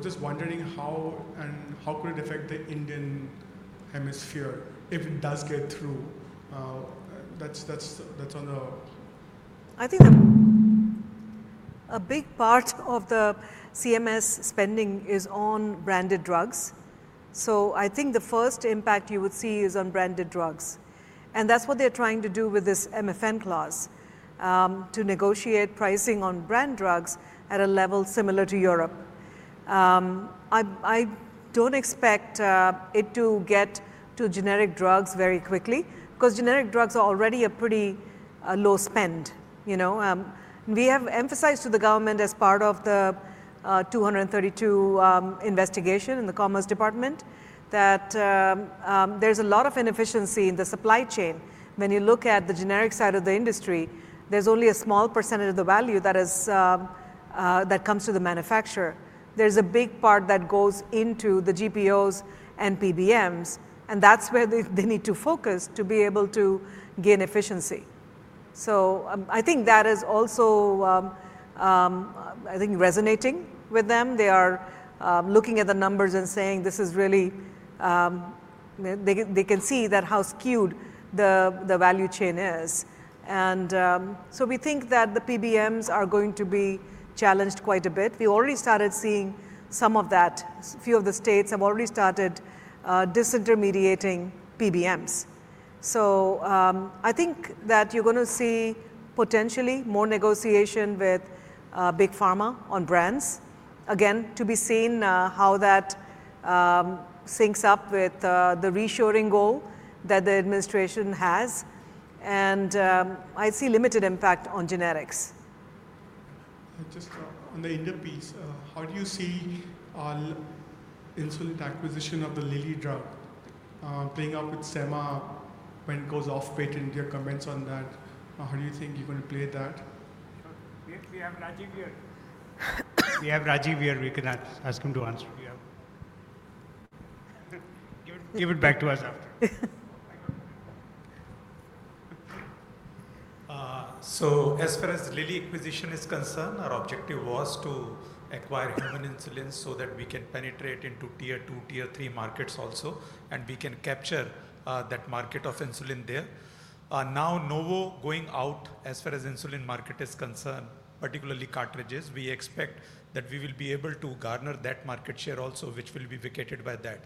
Just wondering how and how could it affect the Indian hemisphere if it does get through. That's on the. I think a big part of the CMS spending is on branded drugs. I think the first impact you would see is on branded drugs. That is what they're trying to do with this MFN clause to negotiate pricing on brand drugs at a level similar to Europe. I do not expect it to get to generic drugs very quickly because generic drugs are already a pretty low spend. We have emphasized to the government as part of the 232 investigation in the Commerce Department that there is a lot of inefficiency in the supply chain. When you look at the generic side of the industry, there is only a small percentage of the value that comes to the manufacturer. There is a big part that goes into the GPOs and PBMs. That is where they need to focus to be able to gain efficiency. I think that is also, I think, resonating with them. They are looking at the numbers and saying, this is really, they can see how skewed the value chain is. We think that the PBMs are going to be challenged quite a bit. We already started seeing some of that. A few of the states have already started disintermediating PBMs. I think that you're going to see potentially more negotiation with big pharma on brands. Again, to be seen how that syncs up with the reshoring goal that the administration has. I see limited impact on generics. Just on the India piece, how do you see insulin acquisition of the Lilly drug playing up with SEMA when it goes off-page and India comments on that? How do you think you're going to play that? We have Rajeev here. We have Rajeev here. We can ask him to answer. Give it back to us after. As far as the Lilly acquisition is concerned, our objective was to acquire human insulin so that we can penetrate into tier two, tier three markets also, and we can capture that market of insulin there. Now, Novo going out as far as the insulin market is concerned, particularly cartridges, we expect that we will be able to garner that market share also, which will be vacated by that.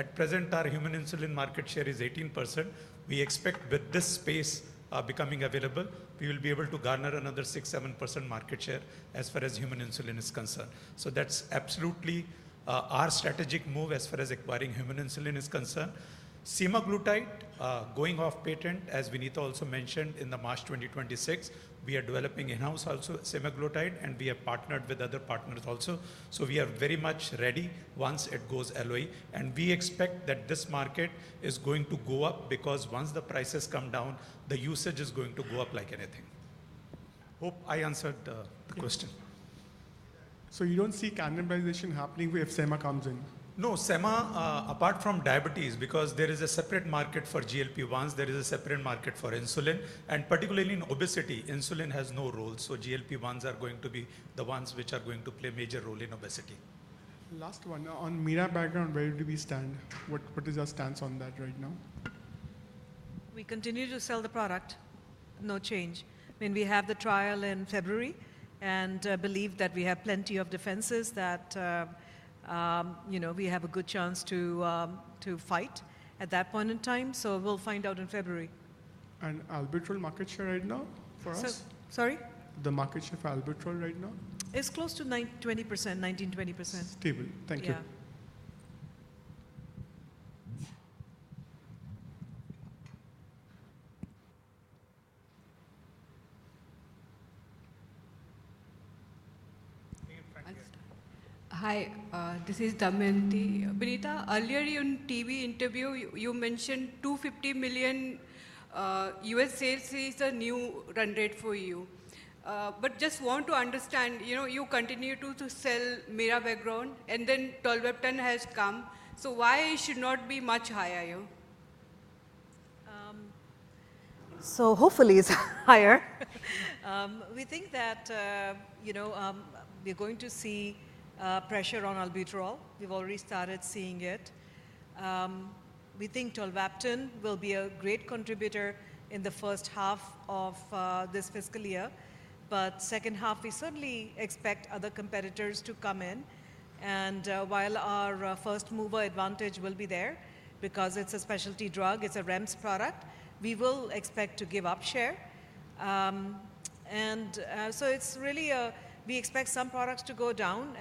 At present, our human insulin market share is 18%. We expect with this space becoming available, we will be able to garner another 6%-7% market share as far as human insulin is concerned. That is absolutely our strategic move as far as acquiring human insulin is concerned. Semaglutide going off-patent, as Vinita also mentioned, in March 2026, we are developing in-house also semaglutide, and we have partnered with other partners also. We are very much ready once it goes LOE. We expect that this market is going to go up because once the prices come down, the usage is going to go up like anything. Hope I answered the question. You don't see cannibalization happening if SEMA comes in? No, SEMA, apart from diabetes, because there is a separate market for GLP-1s, there is a separate market for insulin. Particularly in obesity, insulin has no role. GLP-1s are going to be the ones which are going to play a major role in obesity. Last one. On MERA background, where do we stand? What is your stance on that right now? We continue to sell the product. No change. I mean, we have the trial in February, and I believe that we have plenty of defenses that we have a good chance to fight at that point in time. We will find out in February. Albuterol market share right now for us? Sorry? The market share for Albuterol right now? It's close to 20%, 19-20%. Stable. Thank you. Yeah. Hi, this is Damyanti. Vinita, earlier in TV interview, you mentioned $250 million US sales is a new run rate for you. But just want to understand, you continue to sell Mirabegron, and then Tolvaptan has come. Why should it not be much higher? Hopefully it's higher. We think that we're going to see pressure on Albuterol. We've already started seeing it. We think Tolvaptan will be a great contributor in the first half of this fiscal year. The second half, we certainly expect other competitors to come in. While our first mover advantage will be there because it's a specialty drug, it's a REMS product, we will expect to give up share. It is really we expect some products to go down.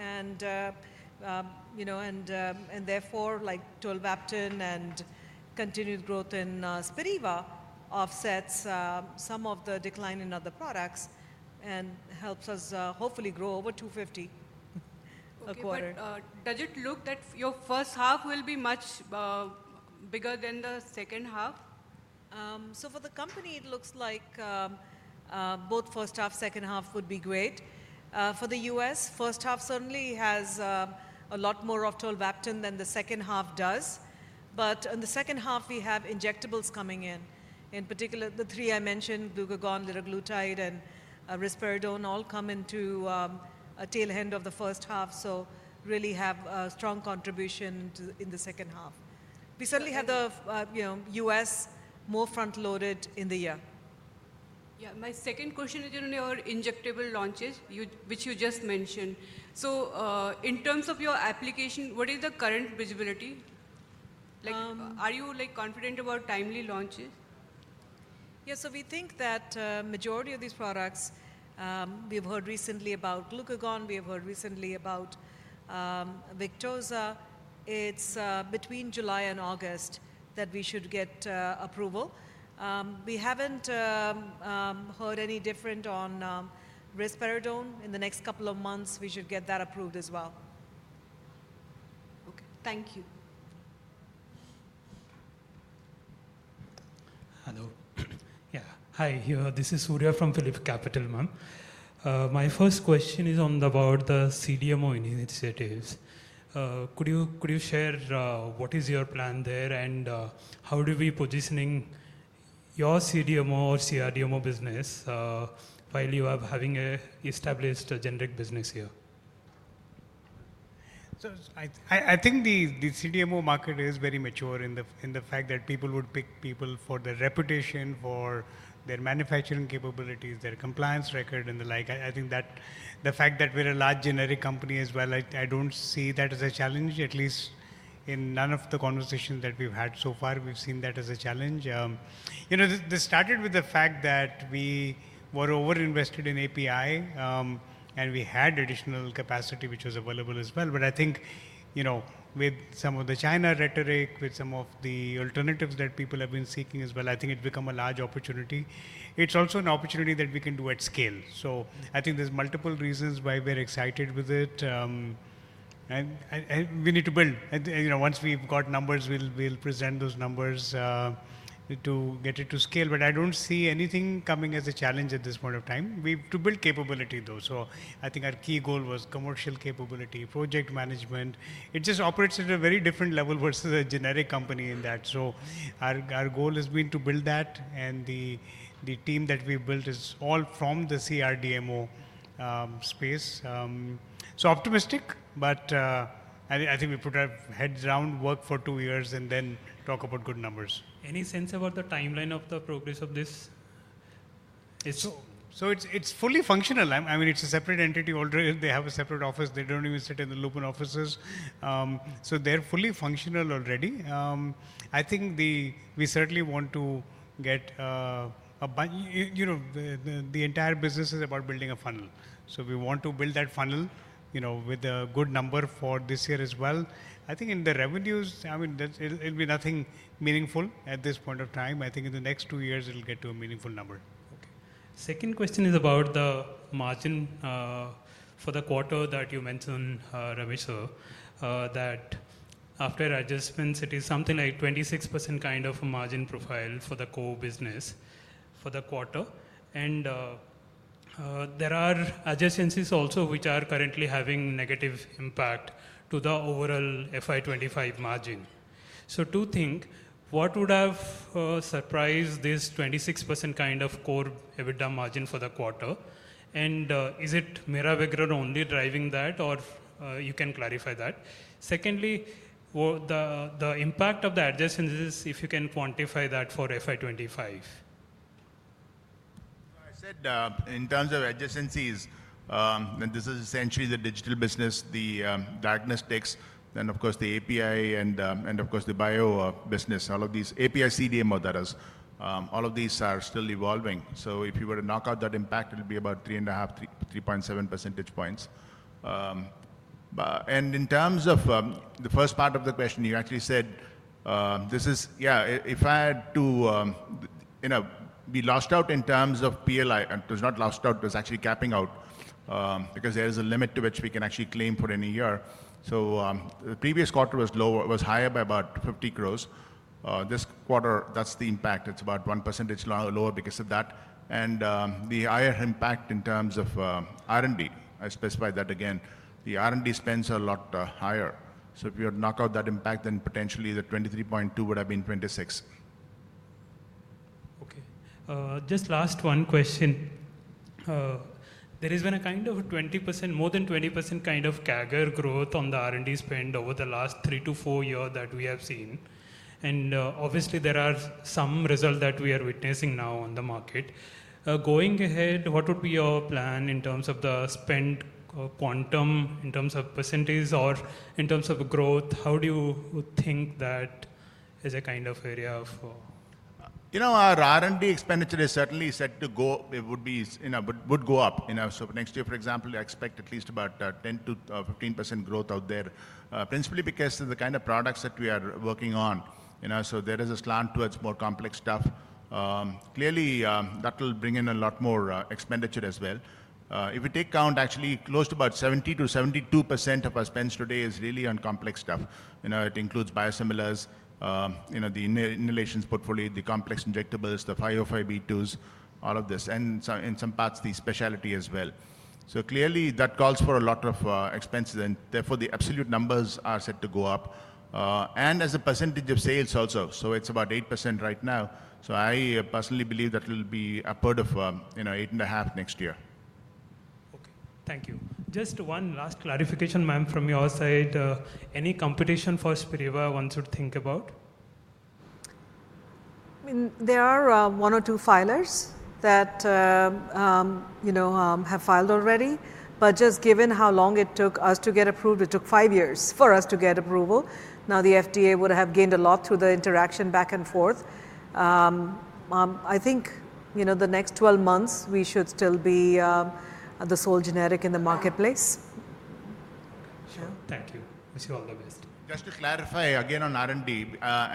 Therefore, Tolvaptan and continued growth in Spiriva offsets some of the decline in other products and helps us hopefully grow over $250 a quarter. Okay, but does it look that your first half will be much bigger than the second half? For the company, it looks like both first half, second half would be great. For the U.S., first half certainly has a lot more of Tolvaptan than the second half does. In the second half, we have injectables coming in. In particular, the three I mentioned, glucagon, liraglutide, and risperidone all come into a tail end of the first half, so really have a strong contribution in the second half. We certainly have the U.S. more front-loaded in the year. Yeah, my second question is in your injectable launches, which you just mentioned. In terms of your application, what is the current visibility? Are you confident about timely launches? Yeah, so we think that majority of these products, we've heard recently about glucagon. We have heard recently about Victoza. It's between July and August that we should get approval. We haven't heard any different on risperidone. In the next couple of months, we should get that approved as well. Okay, thank you. Hello. Yeah, hi. This is Surya from Phillip Capital. My first question is about the CDMO initiatives. Could you share what is your plan there and how do we position your CDMO or CRDMO business while you are having an established generic business here? I think the CDMO market is very mature in the fact that people would pick people for their reputation, for their manufacturing capabilities, their compliance record, and the like. I think that the fact that we're a large generic company as well, I don't see that as a challenge, at least in none of the conversations that we've had so far. We've seen that as a challenge. This started with the fact that we were over-invested in API, and we had additional capacity which was available as well. I think with some of the China rhetoric, with some of the alternatives that people have been seeking as well, I think it's become a large opportunity. It's also an opportunity that we can do at scale. I think there's multiple reasons why we're excited with it. We need to build. Once we've got numbers, we'll present those numbers to get it to scale. I don't see anything coming as a challenge at this point of time. We have to build capability, though. I think our key goal was commercial capability, project management. It just operates at a very different level versus a generic company in that. Our goal has been to build that. The team that we built is all from the CRDMO space. Optimistic, but I think we put our heads down, work for two years, and then talk about good numbers. Any sense about the timeline of the progress of this? It is fully functional. I mean, it is a separate entity already. They have a separate office. They do not even sit in the Lupin offices. They are fully functional already. I think we certainly want to get the entire business is about building a funnel. We want to build that funnel with a good number for this year as well. I think in the revenues, I mean, it will be nothing meaningful at this point of time. I think in the next two years, it will get to a meaningful number. Okay. Second question is about the margin for the quarter that you mentioned, Ramesh, that after adjustments, it is something like 26% kind of a margin profile for the core business for the quarter. There are adjustments also which are currently having negative impact to the overall FY25 margin. Two things. What would have surprised this 26% kind of core EBITDA margin for the quarter? Is it Mirabegron only driving that, or can you clarify that? Secondly, the impact of the adjustments, if you can quantify that for FY25. I said in terms of adjustments, this is essentially the digital business, the diagnostics text, and of course, the API, and of course, the bio business. All of these API, CDMO, all of these are still evolving. If you were to knock out that impact, it'll be about 3.5-3.7 percentage points. In terms of the first part of the question, you actually said, yeah, if I had to be lost out in terms of PLI, it was not lost out. It was actually capping out because there is a limit to which we can actually claim for any year. The previous quarter was higher by about 500,000,000. This quarter, that's the impact. It's about 1% lower because of that. The higher impact in terms of R&D, I specify that again, the R&D spends are a lot higher. If you knock out that impact, then potentially the 23.2 would have been 26. Okay. Just last one question. There has been a kind of 20%, more than 20% kind of CAGR growth on the R&D spend over the last three to four years that we have seen. Obviously, there are some results that we are witnessing now on the market. Going ahead, what would be your plan in terms of the spend quantum, in terms of percentage, or in terms of growth? How do you think that is a kind of area for? Our R&D expenditure is certainly set to go up. It would go up. Next year, for example, we expect at least about 10%-15% growth out there, principally because of the kind of products that we are working on. There is a slant towards more complex stuff. Clearly, that will bring in a lot more expenditure as well. If you take count, actually close to about 70%-72% of our spends today is really on complex stuff. It includes biosimilars, the inhalations portfolio, the complex injectables, the 505(b)(2)s, all of this, and in some parts, the specialty as well. Clearly, that calls for a lot of expenses. Therefore, the absolute numbers are set to go up. As a percentage of sales also, it is about 8% right now. I personally believe that will be upward of 8.5% next year. Okay, thank you. Just one last clarification, ma'am, from your side. Any competition for Spiriva one should think about? I mean, there are one or two filers that have filed already. Just given how long it took us to get approved, it took five years for us to get approval. Now, the FDA would have gained a lot through the interaction back and forth. I think the next 12 months, we should still be the sole generic in the marketplace. Sure. Thank you. Wish you all the best. Just to clarify again on R&D,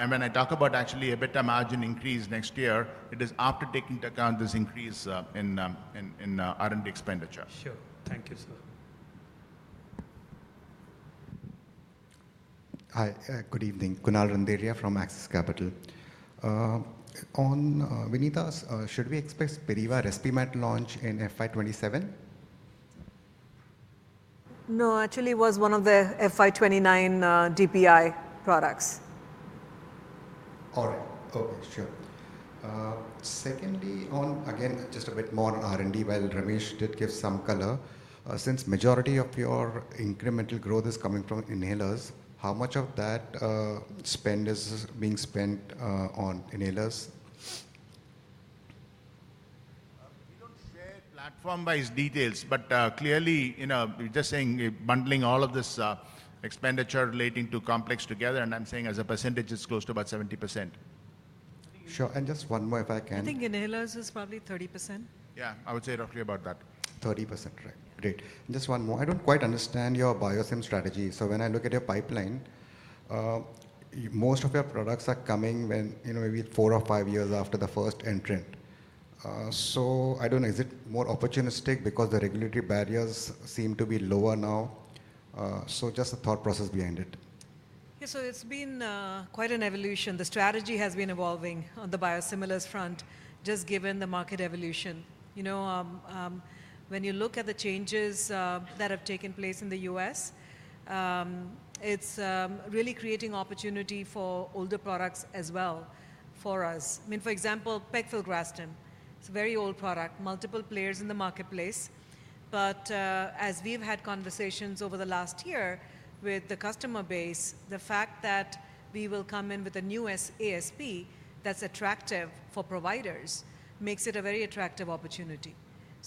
when I talk about actually EBITDA margin increase next year, it is after taking into account this increase in R&D expenditure. Sure. Thank you, sir. Hi, good evening. Kunal Randeria from Axis Capital. On Vinita's, should we expect Spiriva Respimat launch in FY27? No, actually, it was one of the FI29 DPI products. All right. Okay, sure. Secondly, again, just a bit more on R&D, while Ramesh did give some color. Since the majority of your incremental growth is coming from inhalers, how much of that spend is being spent on inhalers? We don't share platform-wise details, but clearly, we're just saying bundling all of this expenditure relating to complex together, and I'm saying as a percentage, it's close to about 70%. Sure. And just one more, if I can. I think inhalers is probably 30%. Yeah, I would say roughly about that. 30%, right. Great. And just one more. I do not quite understand your biosim strategy. When I look at your pipeline, most of your products are coming maybe four or five years after the first entrant. I do not know. Is it more opportunistic because the regulatory barriers seem to be lower now? Just the thought process behind it. Yeah, so it's been quite an evolution. The strategy has been evolving on the biosimilars front, just given the market evolution. When you look at the changes that have taken place in the U.S., it's really creating opportunity for older products as well for us. I mean, for example, pegfilgrastim. It's a very old product, multiple players in the marketplace. But as we've had conversations over the last year with the customer base, the fact that we will come in with a new ASP that's attractive for providers makes it a very attractive opportunity.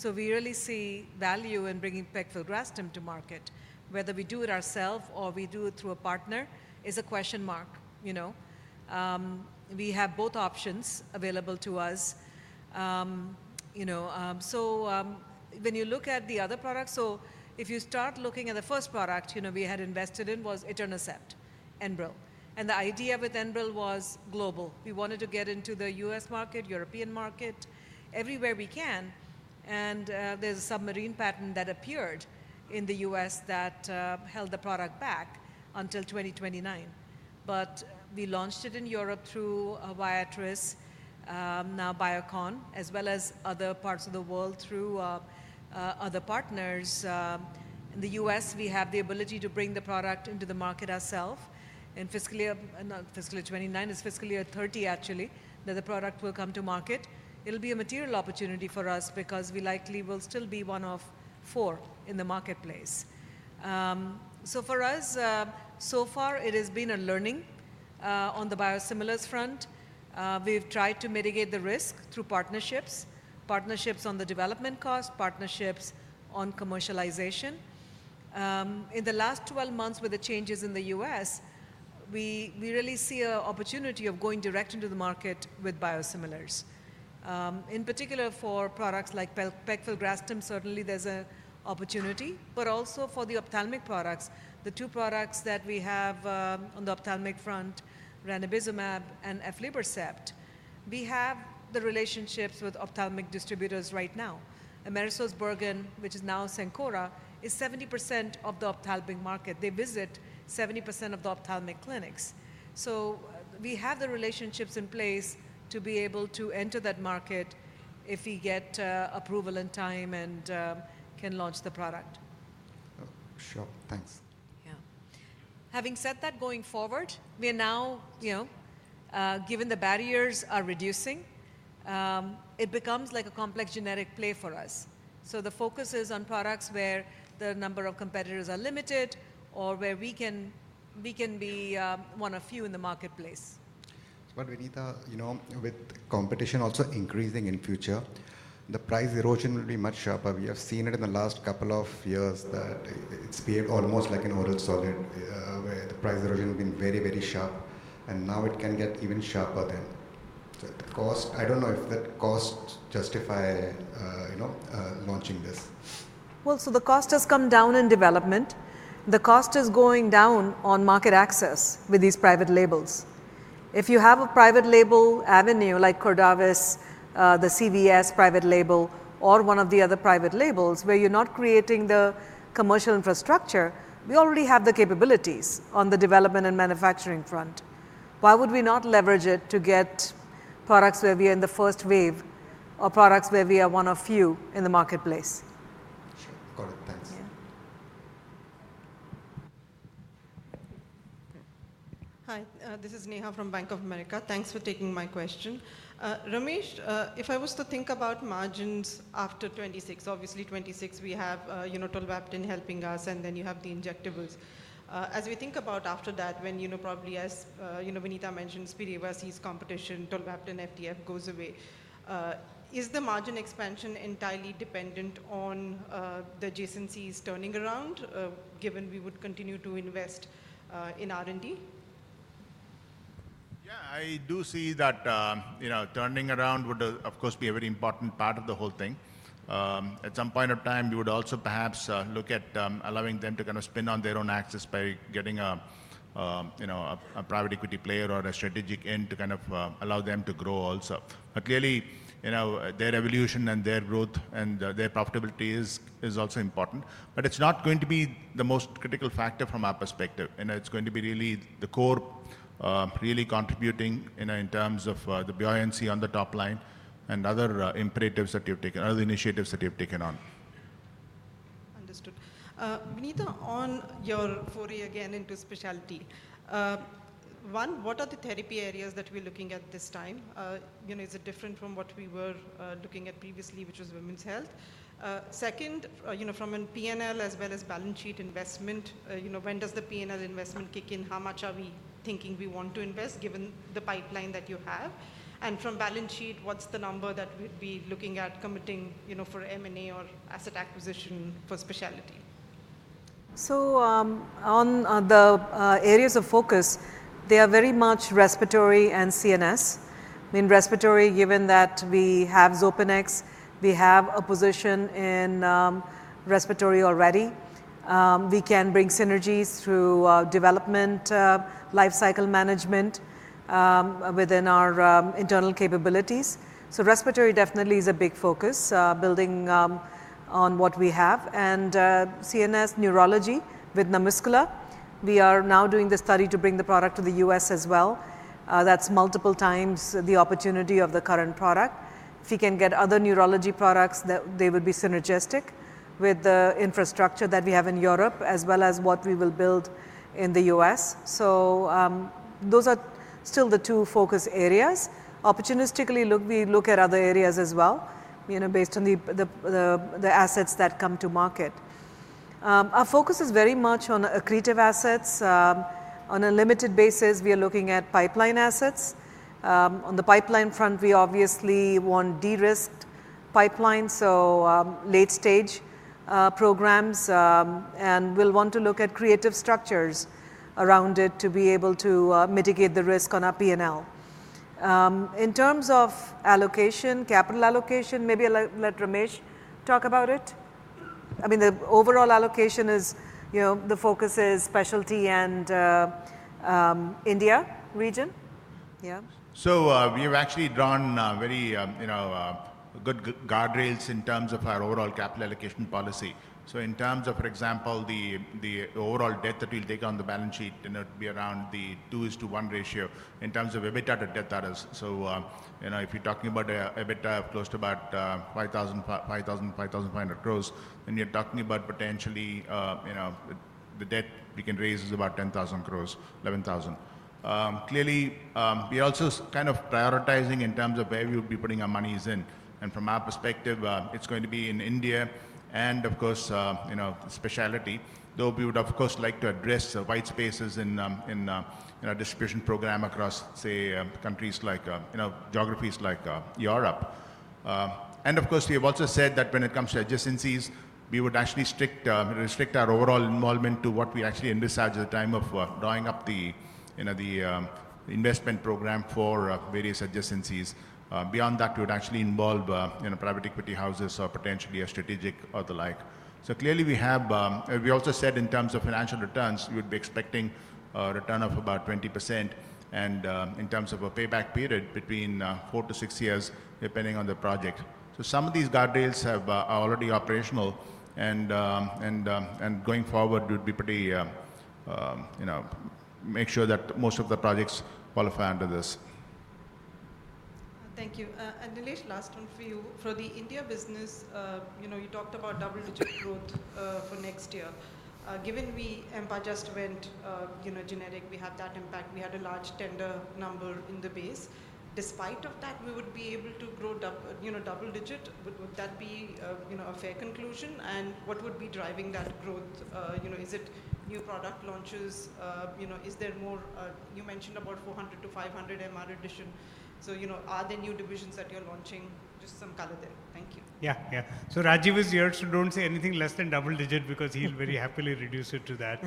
We really see value in bringing pegfilgrastim to market. Whether we do it ourselves or we do it through a partner is a question mark. We have both options available to us. When you look at the other products, if you start looking at the first product we had invested in, it was Etanercept, Enbrel. The idea with Enbrel was global. We wanted to get into the U.S. market, European market, everywhere we can. There is a submarine patent that appeared in the U.S. that held the product back until 2029. We launched it in Europe through Viatris, now Biocon, as well as other parts of the world through other partners. In the U.S., we have the ability to bring the product into the market ourselves. In fiscal year 2029, it is fiscal year 2030, actually, that the product will come to market. It will be a material opportunity for us because we likely will still be one of four in the marketplace. For us, so far, it has been a learning on the biosimilars front. We've tried to mitigate the risk through partnerships, partnerships on the development cost, partnerships on commercialization. In the last 12 months, with the changes in the U.S., we really see an opportunity of going direct into the market with biosimilars. In particular, for products like pegfilgrastim, certainly there's an opportunity. Also for the ophthalmic products, the two products that we have on the ophthalmic front, ranibizumab and aflibercept, we have the relationships with ophthalmic distributors right now. AmerisourceBergen, which is now Cencora, is 70% of the ophthalmic market. They visit 70% of the ophthalmic clinics. We have the relationships in place to be able to enter that market if we get approval in time and can launch the product. Sure. Thanks. Yeah. Having said that, going forward, we are now, given the barriers are reducing, it becomes like a complex generic play for us. The focus is on products where the number of competitors are limited or where we can be one of few in the marketplace. Vinita, with competition also increasing in future, the price erosion will be much sharper. We have seen it in the last couple of years that it's behaved almost like an oil solid, where the price erosion has been very, very sharp. Now it can get even sharper then. I don't know if that costs justify launching this. The cost has come down in development. The cost is going down on market access with these private labels. If you have a private label avenue like Cordavis, the CVS private label, or one of the other private labels where you're not creating the commercial infrastructure, we already have the capabilities on the development and manufacturing front. Why would we not leverage it to get products where we are in the first wave or products where we are one of few in the marketplace? Sure. Got it. Thanks. Hi, this is Neha from Bank of America. Thanks for taking my question. Ramesh, if I was to think about margins after 2026, obviously 2026, we have Tolvaptan helping us, and then you have the injectables. As we think about after that, when probably, as Vinita mentioned, Spiriva sees competition, Tolvaptan FDF goes away. Is the margin expansion entirely dependent on the adjacencies turning around, given we would continue to invest in R&D? Yeah, I do see that turning around would, of course, be a very important part of the whole thing. At some point of time, we would also perhaps look at allowing them to kind of spin on their own axis by getting a private equity player or a strategic end to kind of allow them to grow also. Clearly, their evolution and their growth and their profitability is also important. It is not going to be the most critical factor from our perspective. It is going to be really the core really contributing in terms of the buoyancy on the top line and other imperatives that you've taken, other initiatives that you've taken on. Understood. Vinita, on your foray again into specialty. One, what are the therapy areas that we're looking at this time? Is it different from what we were looking at previously, which was women's health? Second, from a P&L as well as balance sheet investment, when does the P&L investment kick in? How much are we thinking we want to invest given the pipeline that you have? From balance sheet, what's the number that we'd be looking at committing for M&A or asset acquisition for specialty? On the areas of focus, they are very much respiratory and CNS. I mean, respiratory, given that we have Xopenex, we have a position in respiratory already. We can bring synergies through development, lifecycle management within our internal capabilities. Respiratory definitely is a big focus building on what we have. And CNS neurology with Namuskla. We are now doing the study to bring the product to the US as well. That is multiple times the opportunity of the current product. If we can get other neurology products, they would be synergistic with the infrastructure that we have in Europe as well as what we will build in the US. Those are still the two focus areas. Opportunistically, we look at other areas as well based on the assets that come to market. Our focus is very much on accretive assets. On a limited basis, we are looking at pipeline assets. On the pipeline front, we obviously want de-risked pipelines, so late-stage programs. And we'll want to look at creative structures around it to be able to mitigate the risk on our P&L. In terms of allocation, capital allocation, maybe let Ramesh talk about it. I mean, the overall allocation is the focus is specialty and India region. Yeah. We have actually drawn very good guardrails in terms of our overall capital allocation policy. In terms of, for example, the overall debt that we'll take on the balance sheet, it would be around the 2:1 ratio in terms of EBITDA to debt. If you're talking about EBITDA of close to about 5,000-5,500 crore, then you're talking about potentially the debt we can raise is about 10,000-11,000 crore. Clearly, we're also kind of prioritizing in terms of where we would be putting our monies in. From our perspective, it's going to be in India and, of course, specialty. Though we would, of course, like to address white spaces in our distribution program across, say, countries like geographies like Europe. Of course, we have also said that when it comes to adjacencies, we would actually restrict our overall involvement to what we actually endorsed at the time of drawing up the investment program for various adjacencies. Beyond that, we would actually involve private equity houses or potentially a strategic or the like. Clearly, we have also said in terms of financial returns, we would be expecting a return of about 20% and in terms of a payback period between four to six years, depending on the project. Some of these guardrails are already operational. Going forward, we would be pretty sure that most of the projects qualify under this. Thank you. Nilesh, last one for you. For the India business, you talked about double-digit growth for next year. Given we just went generic, we have that impact. We had a large tender number in the base. Despite that, we would be able to grow double-digit. Would that be a fair conclusion? What would be driving that growth? Is it new product launches? Is there more? You mentioned about 400-500 MR addition. Are there new divisions that you are launching? Just some color there. Thank you. Yeah, yeah. Rajeev is here, so do not say anything less than double-digit because he'll very happily reduce it to that.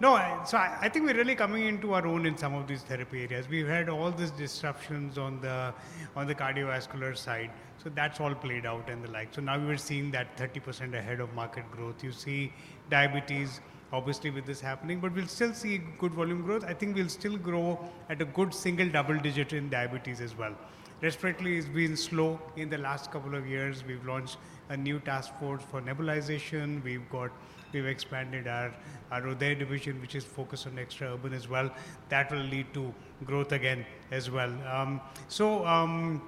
No, I think we're really coming into our own in some of these therapy areas. We've had all these disruptions on the cardiovascular side. That's all played out and the like. Now we're seeing that 30% ahead of market growth. You see diabetes, obviously, with this happening, but we'll still see good volume growth. I think we'll still grow at a good single double-digit in diabetes as well. Respiratory has been slow in the last couple of years. We've launched a new task force for nebulization. We've expanded our Rhoda division, which is focused on extra urban as well. That will lead to growth again as well. Some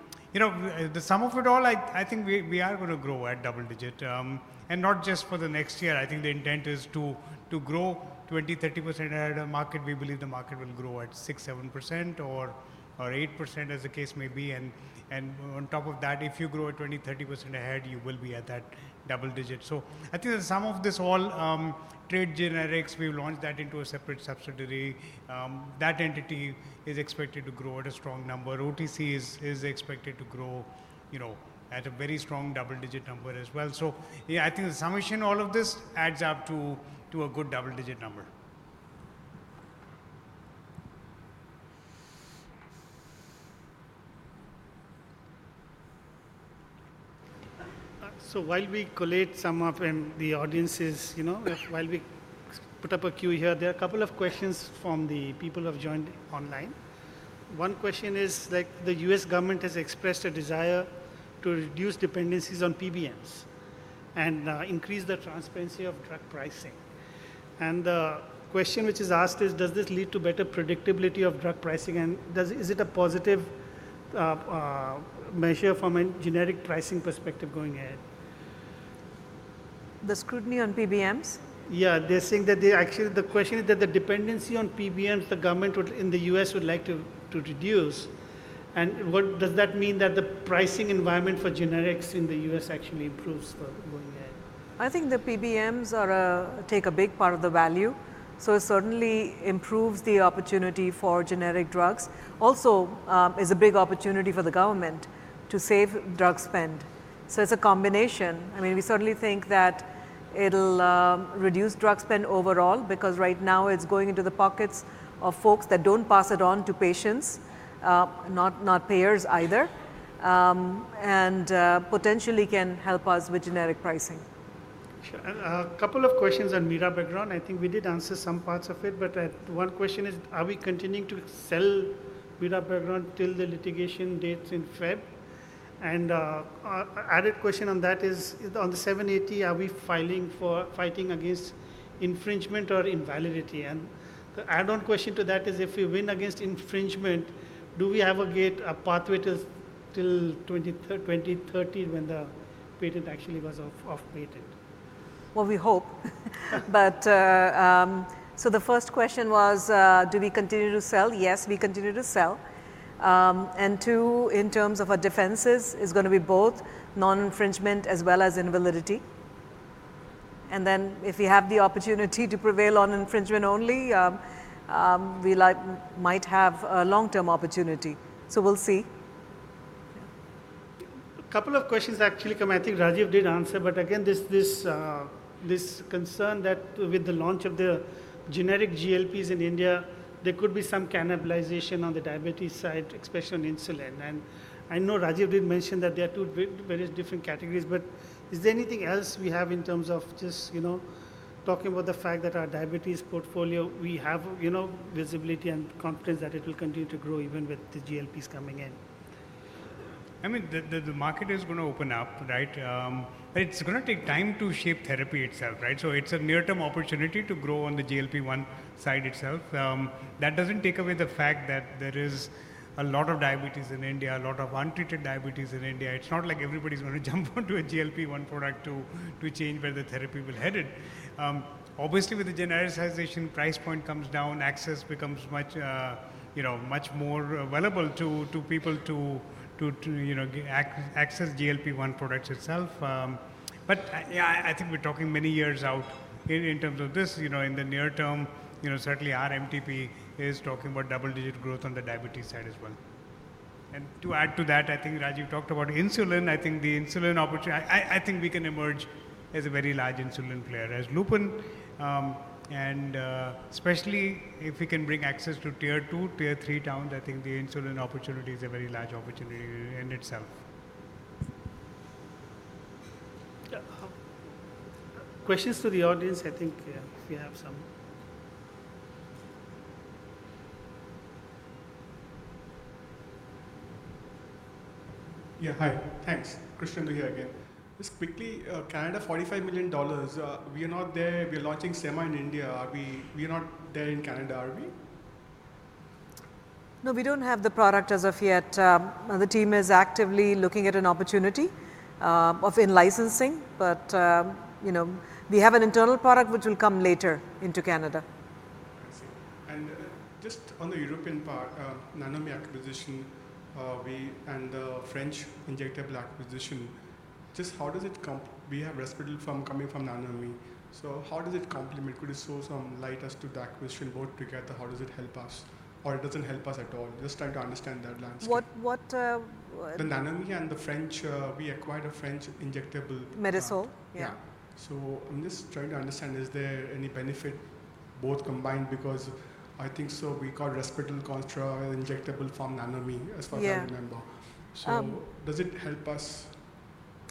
of it all, I think we are going to grow at double-digit. Not just for the next year. I think the intent is to grow 20-30% ahead of market. We believe the market will grow at 6-7% or 8% as the case may be. On top of that, if you grow at 20-30% ahead, you will be at that double-digit. I think some of this is all trade generics. We have launched that into a separate subsidiary. That entity is expected to grow at a strong number. OTC is expected to grow at a very strong double-digit number as well. I think the summation of all of this adds up to a good double-digit number. While we collate some of the audiences, while we put up a queue here, there are a couple of questions from the people who have joined online. One question is, the U.S. government has expressed a desire to reduce dependencies on PBMs and increase the transparency of drug pricing. The question which is asked is, does this lead to better predictability of drug pricing? Is it a positive measure from a generic pricing perspective going ahead? The scrutiny on PBMs? Yeah, they're saying that they actually, the question is that the dependency on PBMs the government in the U.S. would like to reduce. Does that mean that the pricing environment for generics in the U.S. actually improves going ahead? I think the PBMs take a big part of the value. It certainly improves the opportunity for generic drugs. Also, it's a big opportunity for the government to save drug spend. It is a combination. I mean, we certainly think that it'll reduce drug spend overall because right now it's going into the pockets of folks that do not pass it on to patients, not payers either, and potentially can help us with generic pricing. Sure. A couple of questions on Mirabegron. I think we did answer some parts of it. One question is, are we continuing to sell Mirabegron till the litigation dates in February? An added question on that is, on the 780, are we fighting against infringement or invalidity? The add-on question to that is, if we win against infringement, do we ever get a pathway till 2030 when the patent actually was off-patent? The first question was, do we continue to sell? Yes, we continue to sell. Two, in terms of our defenses, it is going to be both non-infringement as well as invalidity. If we have the opportunity to prevail on infringement only, we might have a long-term opportunity. We will see. A couple of questions actually come. I think Rajeev did answer. Again, this concern that with the launch of the generic GLPs in India, there could be some cannibalization on the diabetes side, especially on insulin. I know Rajiv did mention that there are two very different categories. Is there anything else we have in terms of just talking about the fact that our diabetes portfolio, we have visibility and confidence that it will continue to grow even with the GLPs coming in? I mean, the market is going to open up, right? It is going to take time to shape therapy itself, right? It is a near-term opportunity to grow on the GLP-1 side itself. That does not take away the fact that there is a lot of diabetes in India, a lot of untreated diabetes in India. It is not like everybody is going to jump onto a GLP-1 product to change where the therapy will head it. Obviously, with the genericization, price point comes down, access becomes much more available to people to access GLP-1 products itself. Yeah, I think we are talking many years out in terms of this. In the near term, certainly RMTP is talking about double-digit growth on the diabetes side as well. To add to that, I think Rajeev talked about insulin. I think the insulin opportunity, I think we can emerge as a very large insulin player, as Lupin. Especially if we can bring access to tier two, tier three towns, I think the insulin opportunity is a very large opportunity in itself. Questions to the audience? I think we have some. Yeah, hi. Thanks. Christian Bihar again. Just quickly, Canada, $45 million. We are not there. We are launching SEMA in India. We are not there in Canada, are we? No, we don't have the product as of yet. The team is actively looking at an opportunity in licensing. We have an internal product which will come later into Canada. I see. Just on the European part, Nanomi acquisition and the French injectable acquisition, just how does it come? We have respiratory pharma coming from Nanomi. How does it complement? Could you throw some light as to the acquisition? Put together, how does it help us? Or it does not help us at all? Just trying to understand that landscape. What? The Nanomi and the French, we acquired a French injectable. Metasol. Yeah. Yeah. So I'm just trying to understand, is there any benefit both combined? Because I think so. We call respiratory contra injectable pharm Nanomi, as far as I remember. So does it help us?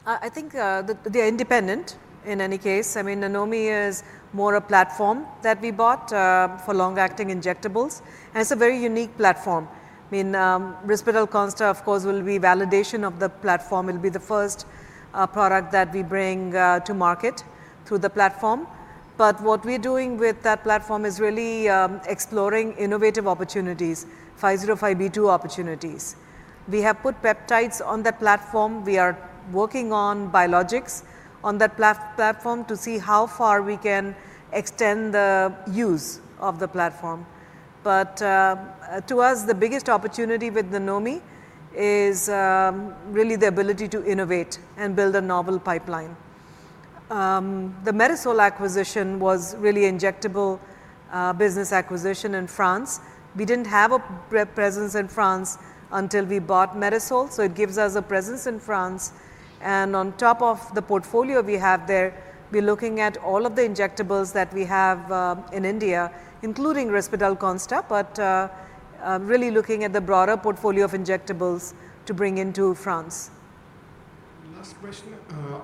I think they're independent in any case. I mean, Nanomi is more a platform that we bought for long-acting injectables. And it's a very unique platform. I mean, Risperidone Consta, of course, will be validation of the platform. It'll be the first product that we bring to market through the platform. What we're doing with that platform is really exploring innovative opportunities, 505(b)(2) opportunities. We have put peptides on that platform. We are working on biologics on that platform to see how far we can extend the use of the platform. To us, the biggest opportunity with Nanomi is really the ability to innovate and build a novel pipeline. The Medisol acquisition was really injectable business acquisition in France. We didn't have a presence in France until we bought Medisol. It gives us a presence in France. On top of the portfolio we have there, we're looking at all of the injectables that we have in India, including Risperidone Consta, but really looking at the broader portfolio of injectables to bring into France. Last question.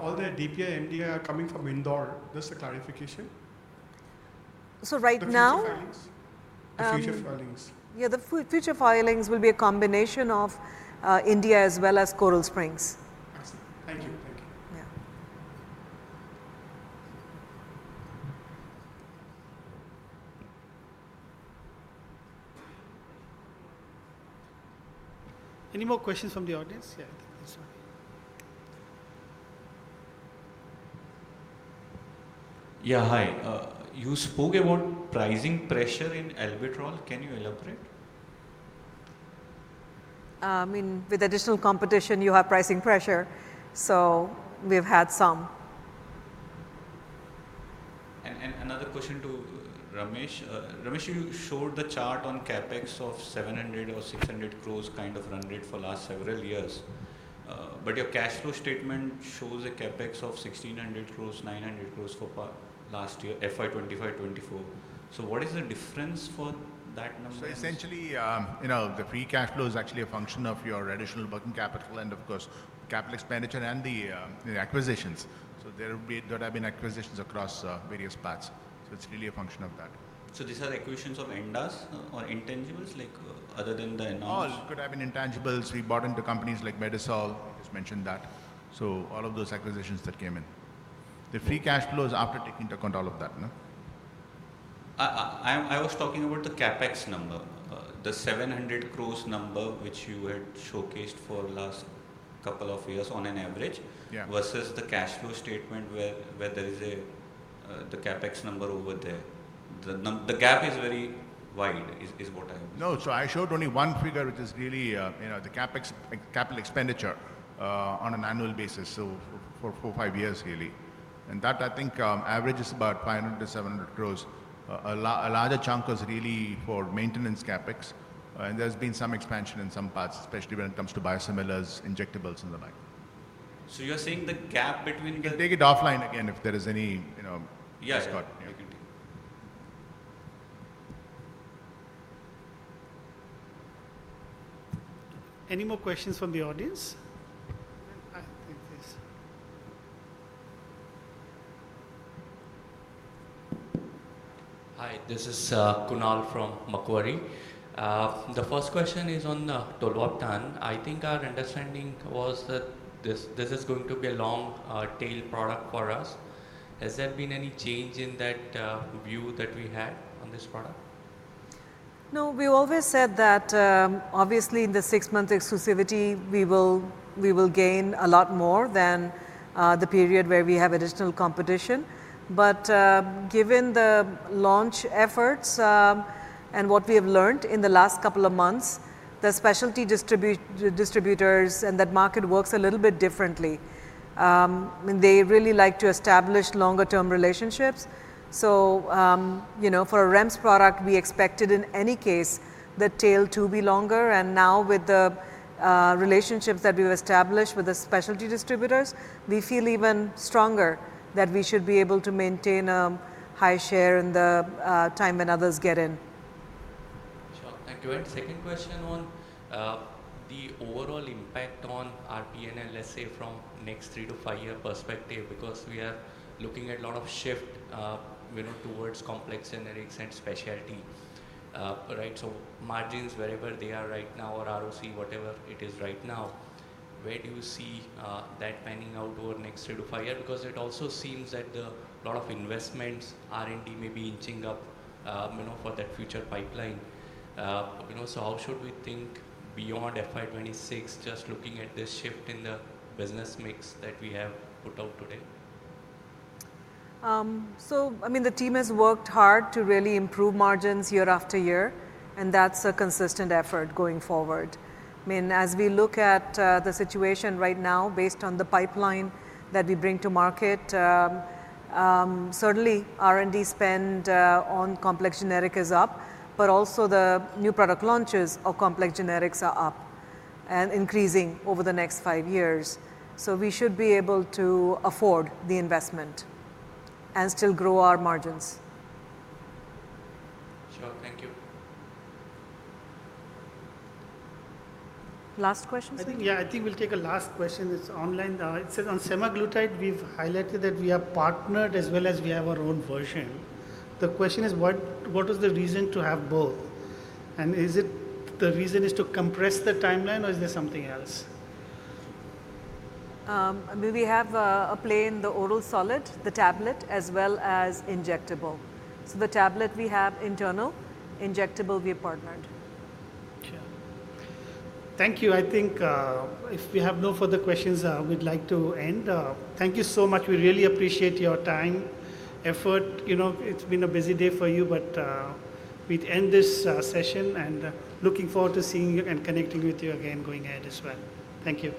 All the DPI India are coming from Indore? Just a clarification. Right now. Future filings? The future filings? Yeah, the future filings will be a combination of India as well as Coral Springs. Excellent. Thank you. Thank you. Yeah. Any more questions from the audience? Yeah, I think that's all. Yeah, hi. You spoke about pricing pressure in Albuterol. Can you elaborate? I mean, with additional competition, you have pricing pressure. So we've had some. Another question to Ramesh. Ramesh, you showed the chart on CapEx of 700 crore or 600 crore kind of run rate for the last several years. Your cash flow statement shows a CapEx of 1,600 crore, 900 crore for last year, FY 2025-2024. What is the difference for that number? Essentially, the free cash flow is actually a function of your additional working capital and, of course, capital expenditure and the acquisitions. There have been acquisitions across various paths. It is really a function of that. So these are acquisitions of ANDAs or intangibles other than the non? All could have been intangibles. We bought into companies like Medisol. I just mentioned that. All of those acquisitions that came in. The free cash flow is after taking into account all of that. I was talking about the CapEx number, the 700 crore number, which you had showcased for the last couple of years on an average versus the cash flow statement where there is the CapEx number over there. The gap is very wide, is what I understand. No, I showed only one figure, which is really the CapEx capital expenditure on an annual basis for four or five years, really. That, I think, averages about 500-700 crore. A larger chunk was really for maintenance CapEx. There has been some expansion in some parts, especially when it comes to biosimilars, injectables, and the like. You're saying the gap between the. Take it offline again if there is any discord. Yeah, I can take it. Any more questions from the audience? Hi, this is Kunal from Macquarie. The first question is on the Tolvaptan. I think our understanding was that this is going to be a long-tail product for us. Has there been any change in that view that we had on this product? No, we always said that, obviously, in the six-month exclusivity, we will gain a lot more than the period where we have additional competition. Given the launch efforts and what we have learned in the last couple of months, the specialty distributors and that market works a little bit differently. They really like to establish longer-term relationships. For a REMS product, we expected in any case the tail to be longer. Now, with the relationships that we've established with the specialty distributors, we feel even stronger that we should be able to maintain a high share in the time when others get in. Sure. I do have a second question on the overall impact on RPN and let's say from next three- to five-year perspective because we are looking at a lot of shift towards complex generics and specialty, right? So margins, wherever they are right now, or ROC, whatever it is right now, where do you see that panning out over next three to five years? Because it also seems that a lot of investments, R&D may be inching up for that future pipeline. How should we think beyond FY 2026, just looking at this shift in the business mix that we have put out today? I mean, the team has worked hard to really improve margins year after year. That is a consistent effort going forward. I mean, as we look at the situation right now, based on the pipeline that we bring to market, certainly, R&D spend on complex generic is up, but also the new product launches of complex generics are up and increasing over the next five years. We should be able to afford the investment and still grow our margins. Sure. Thank you. Last question? I think, yeah, I think we'll take a last question. It's online. It says on semaglutide, we've highlighted that we have partnered as well as we have our own version. The question is, what was the reason to have both? Is the reason to compress the timeline, or is there something else? I mean, we have a play in the oral solid, the tablet, as well as injectable. So the tablet we have internal, injectable we partnered. Sure. Thank you. I think if we have no further questions, we'd like to end. Thank you so much. We really appreciate your time, effort. It's been a busy day for you, but we'd end this session. Looking forward to seeing you and connecting with you again going ahead as well. Thank you.